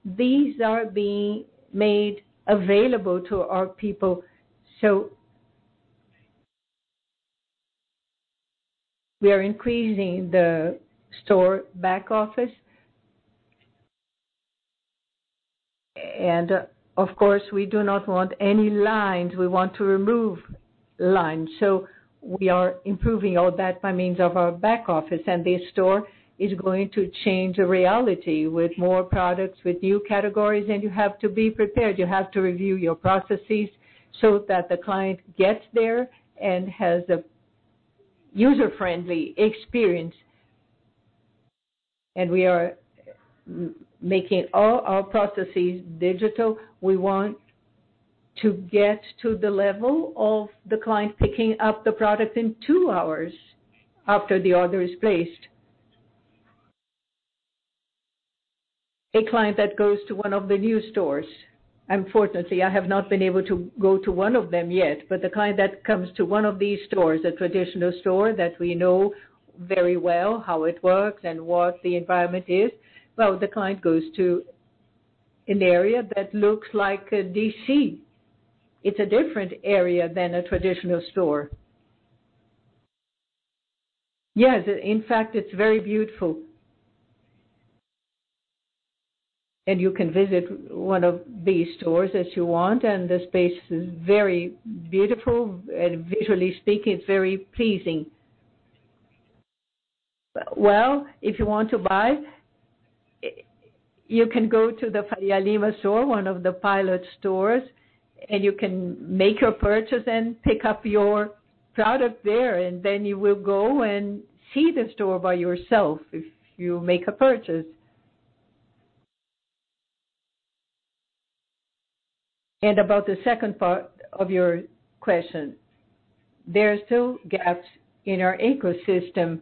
These are being made available to our people. We are increasing the store back office. Of course, we do not want any lines. We want to remove lines. We are improving all that by means of our back office. The store is going to change the reality with more products, with new categories. You have to be prepared. You have to review your processes so that the client gets there and has a user-friendly experience. We are making all our processes digital. We want to get to the level of the client picking up the product in 2 hours after the order is placed. A client that goes to one of the new stores. Unfortunately, I have not been able to go to one of them yet. The client that comes to one of these stores, a traditional store that we know very well how it works and what the environment is. The client goes to an area that looks like a DC. It's a different area than a traditional store. Yes. In fact, it's very beautiful. You can visit one of these stores if you want. The space is very beautiful. Visually speaking, it's very pleasing. If you want to buy, you can go to the Faria Lima store, one of the pilot stores. You can make your purchase and pick up your product there. You will go and see the store by yourself if you make a purchase. About the second part of your question, there are still gaps in our ecosystem.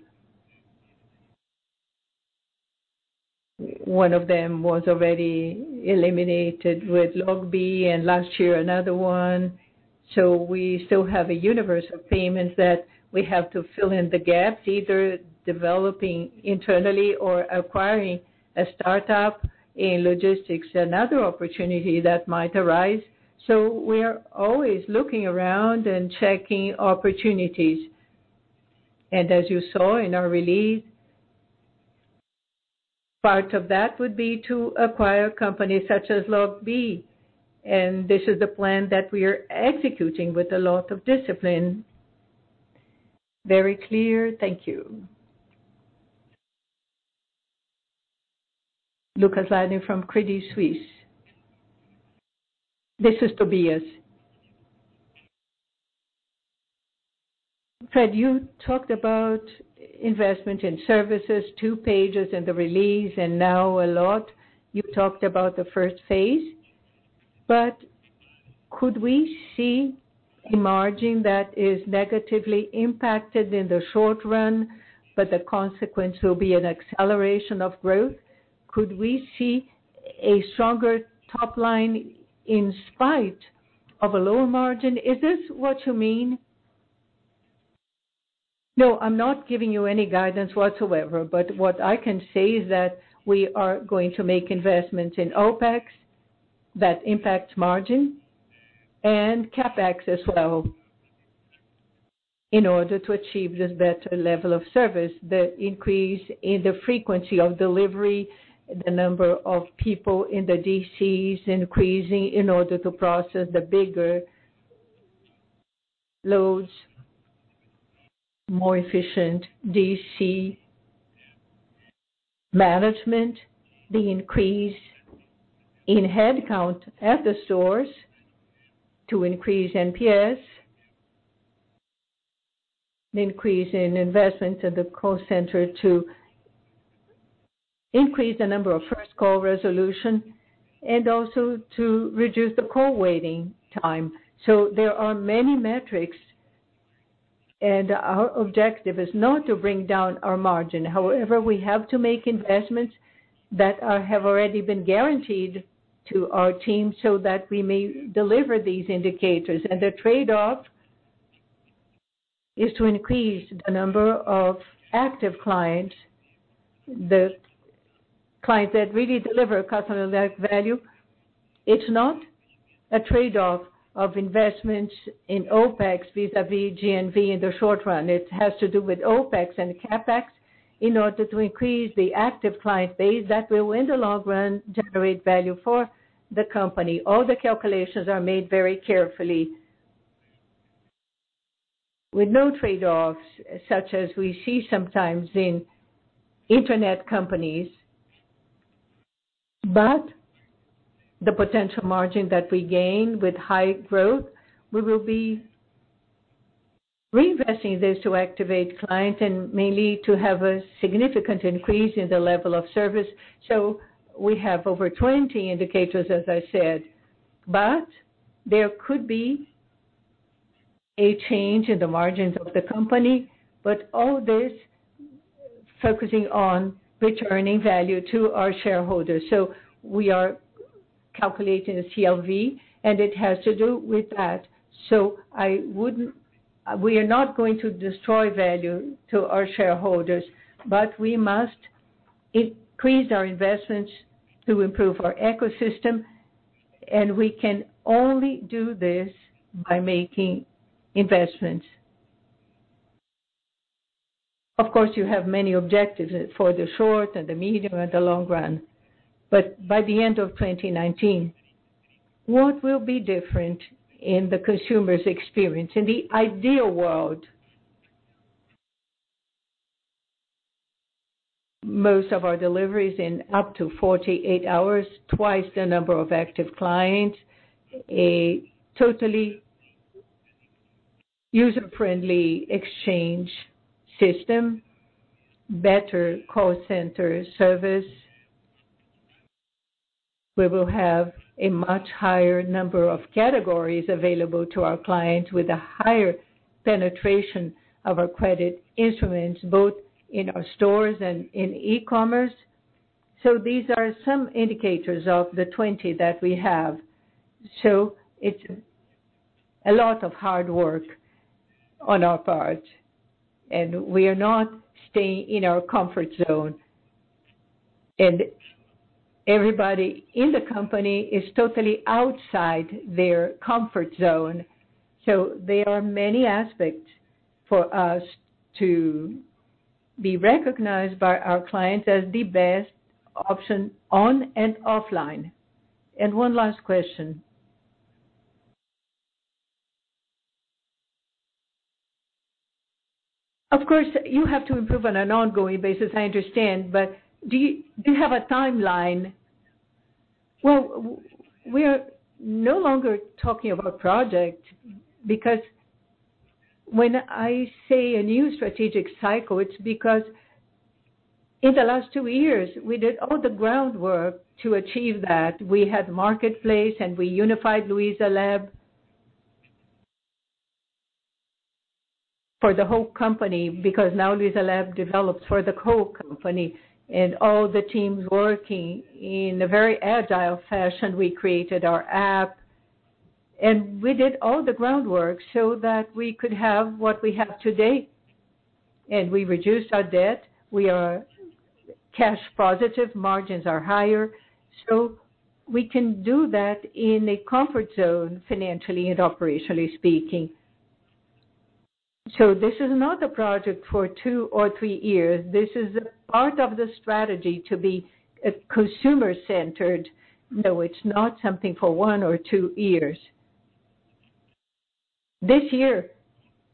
One of them was already eliminated with Loggi. Last year, another one. We still have a universe of payments that we have to fill in the gaps, either developing internally or acquiring a startup in logistics. Another opportunity that might arise. We are always looking around and checking opportunities. As you saw in our release, part of that would be to acquire companies such as Loggi. This is the plan that we are executing with a lot of discipline. Very clear. Thank you. Lucas Lundy from Credit Suisse. This is Tobias. Fred, you talked about investment in services, 2 pages in the release, and now a lot you talked about the first phase. Could we see a margin that is negatively impacted in the short run, but the consequence will be an acceleration of growth? Could we see a stronger top line in spite of a lower margin? Is this what you mean? No, I am not giving you any guidance whatsoever. What I can say is that we are going to make investments in OpEx that impact margin and CapEx as well in order to achieve this better level of service. The increase in the frequency of delivery, the number of people in the DCs increasing in order to process the bigger loads, more efficient DC Management, the increase in headcount at the stores to increase NPS. The increase in investment at the call center to increase the number of first call resolution, also to reduce the call waiting time. There are many metrics, our objective is not to bring down our margin. However, we have to make investments that have already been guaranteed to our team so that we may deliver these indicators. The trade-off is to increase the number of active clients, the clients that really deliver customer value. It is not a trade-off of investments in OpEx vis-a-vis GMV in the short run. It has to do with OpEx and CapEx in order to increase the active client base that will, in the long run, generate value for the company. All the calculations are made very carefully with no trade-offs, such as we see sometimes in internet companies. The potential margin that we gain with high growth, we will be reinvesting this to activate clients and mainly to have a significant increase in the level of service. We have over 20 indicators, as I said. There could be a change in the margins of the company, all this focusing on returning value to our shareholders. We are calculating a CLV, it has to do with that. We are not going to destroy value to our shareholders, we must increase our investments to improve our ecosystem, and we can only do this by making investments. Of course, you have many objectives for the short, the medium, and the long run. By the end of 2019, what will be different in the consumer's experience in the ideal world? Most of our deliveries in up to 48 hours, twice the number of active clients, a totally user-friendly exchange system, better call center service. We will have a much higher number of categories available to our clients with a higher penetration of our credit instruments, both in our stores and in e-commerce. These are some indicators of the 20 that we have. It is a lot of hard work on our part, we are not staying in our comfort zone. Everybody in the company is totally outside their comfort zone. There are many aspects for us to be recognized by our clients as the best option on and offline. One last question. Of course, you have to improve on an ongoing basis, I understand, do you have a timeline? We are no longer talking about project because when I say a new strategic cycle, it is because in the last 2 years, we did all the groundwork to achieve that. We had marketplace, we unified Luizalabs for the whole company because now Luizalabs develops for the whole company. All the teams working in a very agile fashion. We created our app. We did all the groundwork so that we could have what we have today. We reduced our debt. We are cash positive, margins are higher. We can do that in a comfort zone financially and operationally speaking. This is not a project for 2 or 3 years. This is part of the strategy to be consumer-centered, though it is not something for 1 or 2 years. This year,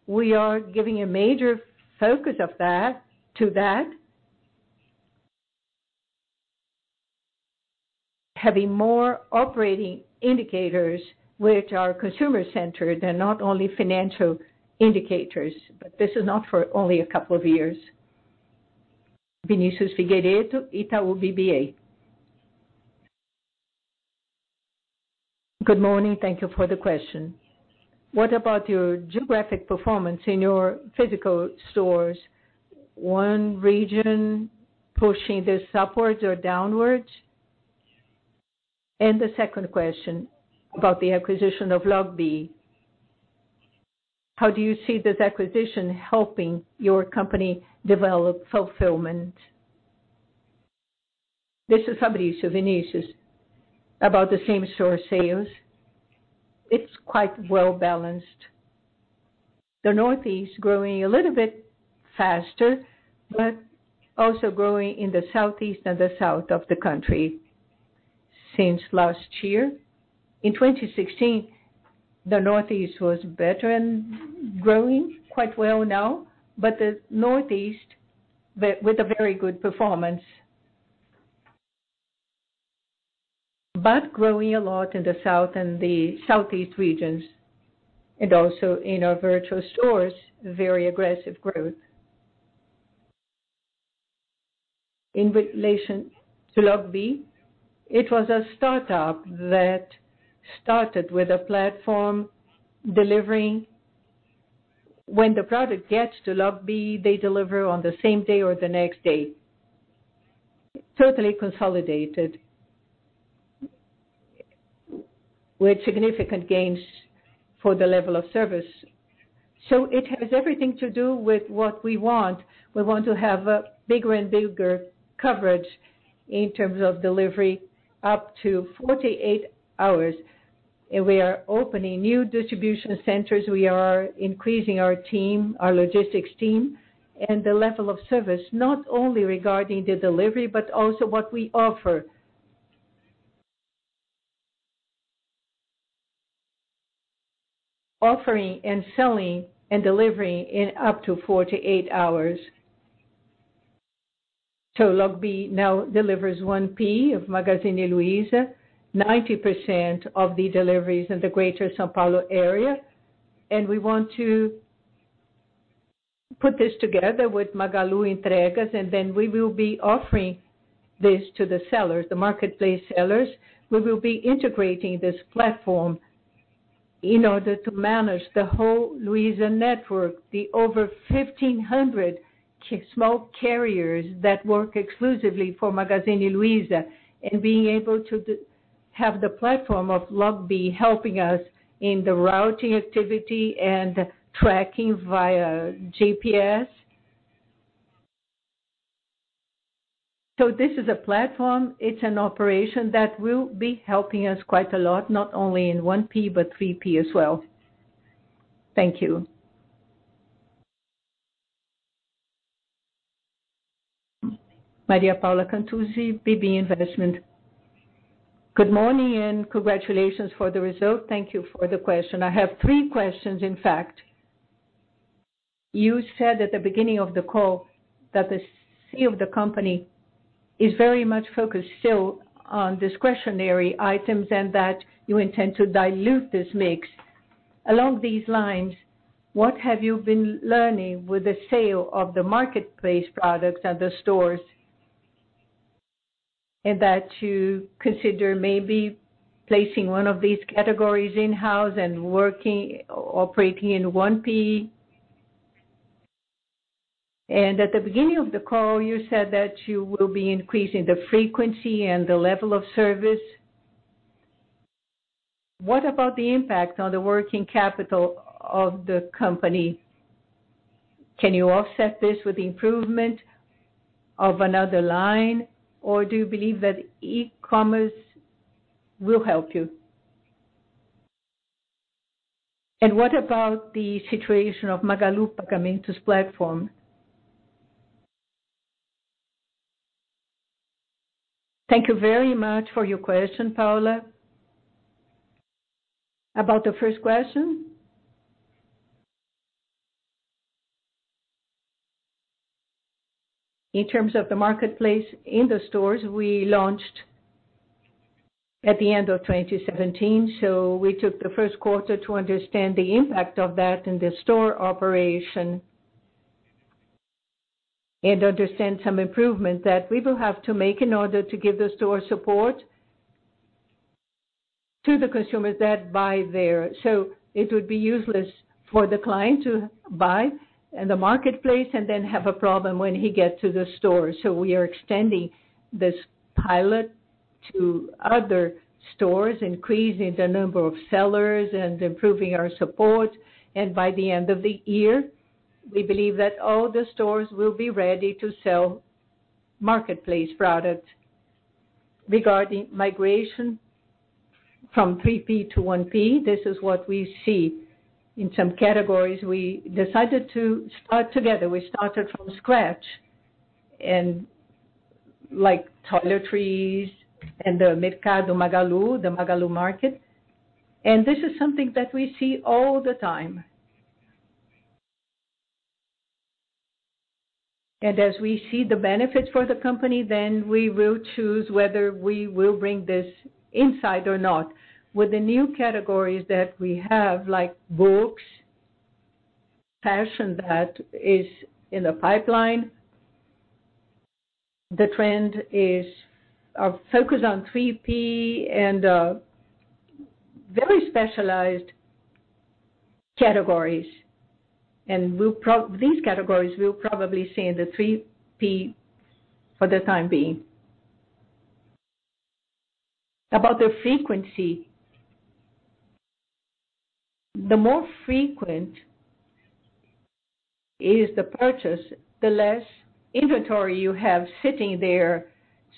we are giving a major focus to that. Having more operating indicators which are consumer-centered and not only financial indicators, this is not for only a couple of years. Vinicius Figueiredo, Itaú BBA. Good morning. Thank you for the question. What about your geographic performance in your physical stores? One region pushing this upwards or downwards? The second question about the acquisition of Loggi. How do you see this acquisition helping your company develop fulfillment? This is Fabrício Bittar Garcia. About the same store sales, it is quite well-balanced. The Northeast growing a little bit faster, but also growing in the Southeast and the South of the country since last year. In 2016, the Northeast was better and growing quite well now. The Northeast, with a very good performance. Growing a lot in the South and the Southeast regions, and also in our virtual stores, very aggressive growth. In relation to Loggi, it was a startup that started with a platform delivering. When the product gets to Loggi, they deliver on the same day or the next day. Totally consolidated, with significant gains for the level of service. It has everything to do with what we want. We want to have a bigger and bigger coverage in terms of delivery up to 48 hours. We are opening new distribution centers. We are increasing our team, our logistics team, and the level of service, not only regarding the delivery, but also what we offer. Offering and selling and delivering in up to 48 hours. Loggi now delivers 1P of Magazine Luiza, 90% of the deliveries in the greater São Paulo area. We want to put this together with Magalu Entregas, and then we will be offering this to the sellers, the marketplace sellers. We will be integrating this platform in order to manage the whole Luiza network, the over 1,500 small carriers that work exclusively for Magazine Luiza, and being able to have the platform of Loggi helping us in the routing activity and tracking via GPS. This is a platform. It is an operation that will be helping us quite a lot, not only in 1P, but 3P as well. Thank you. Maria Paula Cantuzzi, BB Investimentos. Good morning and congratulations for the result. Thank you for the question. I have 3 questions, in fact. You said at the beginning of the call that the C of the company is very much focused still on discretionary items and that you intend to dilute this mix. Along these lines, what have you been learning with the sale of the marketplace products at the stores? That you consider maybe placing one of these categories in-house and working, operating in 1P. At the beginning of the call, you said that you will be increasing the frequency and the level of service. What about the impact on the working capital of the company? Can you offset this with improvement of another line, or do you believe that e-commerce will help you? What about the situation of Magalu Pagamentos platform? Thank you very much for your question, Paula. About the first question, in terms of the marketplace in the stores, we launched at the end of 2017. We took the first quarter to understand the impact of that in the store operation. Understand some improvement that we will have to make in order to give the store support to the consumers that buy there. It would be useless for the client to buy in the marketplace and then have a problem when he gets to the store. We are extending this pilot to other stores, increasing the number of sellers and improving our support. By the end of the year, we believe that all the stores will be ready to sell marketplace products. Regarding migration from 3P to 1P, this is what we see. In some categories, we decided to start together. We started from scratch in toiletries and the Mercado Magalu, the Magalu market. This is something that we see all the time. As we see the benefits for the company, then we will choose whether we will bring this inside or not. With the new categories that we have, like books, fashion that is in the pipeline, the trend is a focus on 3P and very specialized categories. These categories we'll probably see in the 3P for the time being. About the frequency, the more frequent is the purchase, the less inventory you have sitting there.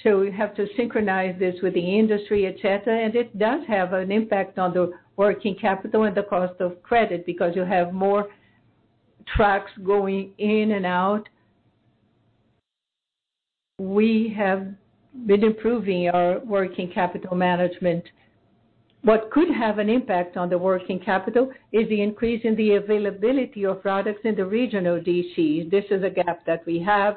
We have to synchronize this with the industry, et cetera. It does have an impact on the working capital and the cost of credit because you have more trucks going in and out. We have been improving our working capital management. What could have an impact on the working capital is the increase in the availability of products in the regional DCs. This is a gap that we have,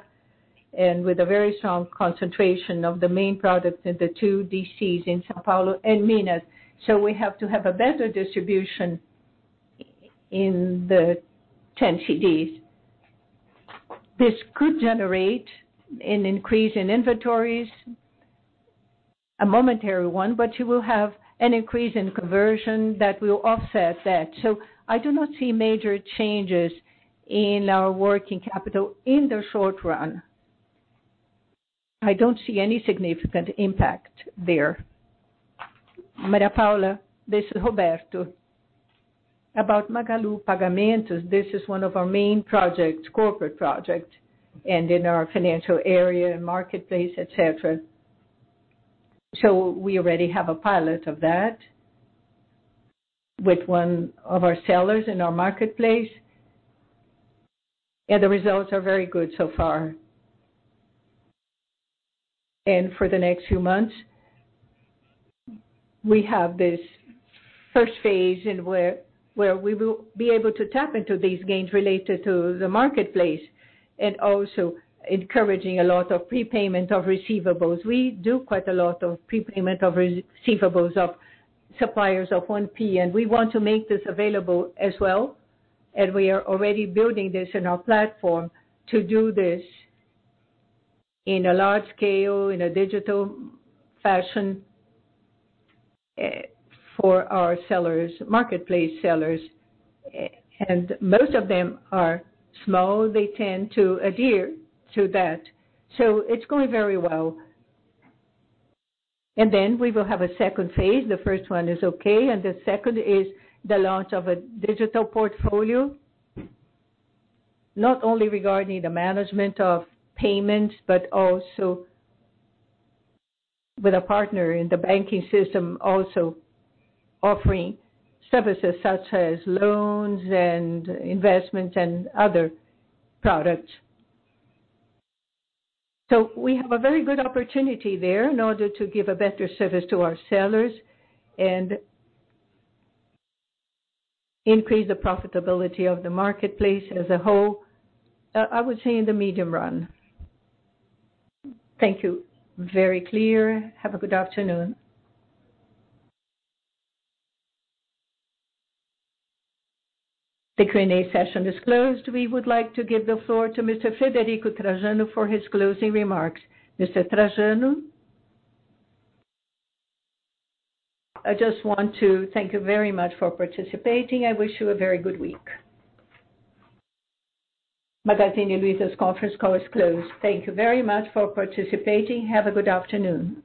with a very strong concentration of the main products in the 2 DCs in São Paulo and Minas. We have to have a better distribution in the 10 CDs. This could generate an increase in inventories, a momentary one, but you will have an increase in conversion that will offset that. I do not see major changes in our working capital in the short run. I don't see any significant impact there. Maria Paula, this is Roberto. About Magalu Pagamentos, this is one of our main projects, corporate project, in our financial area and marketplace, et cetera. We already have a pilot of that with one of our sellers in our marketplace, and the results are very good so far. For the next few months, we have this first phase where we will be able to tap into these gains related to the marketplace, also encouraging a lot of prepayment of receivables. We do quite a lot of prepayment of receivables of suppliers of 1P. We want to make this available as well. We are already building this in our platform to do this in a large scale, in a digital fashion for our marketplace sellers. Most of them are small, they tend to adhere to that. It's going very well. We will have a second phase. The first one is okay. The second is the launch of a digital portfolio, not only regarding the management of payments, but also with a partner in the banking system, also offering services such as loans and investments and other products. We have a very good opportunity there in order to give a better service to our sellers and increase the profitability of the marketplace as a whole, I would say, in the medium run. Thank you. Very clear. Have a good afternoon. The Q&A session is closed. We would like to give the floor to Mr. Frederico Trajano for his closing remarks. Mr. Trajano? I just want to thank you very much for participating. I wish you a very good week. Magazine Luiza's conference call is closed. Thank you very much for participating. Have a good afternoon.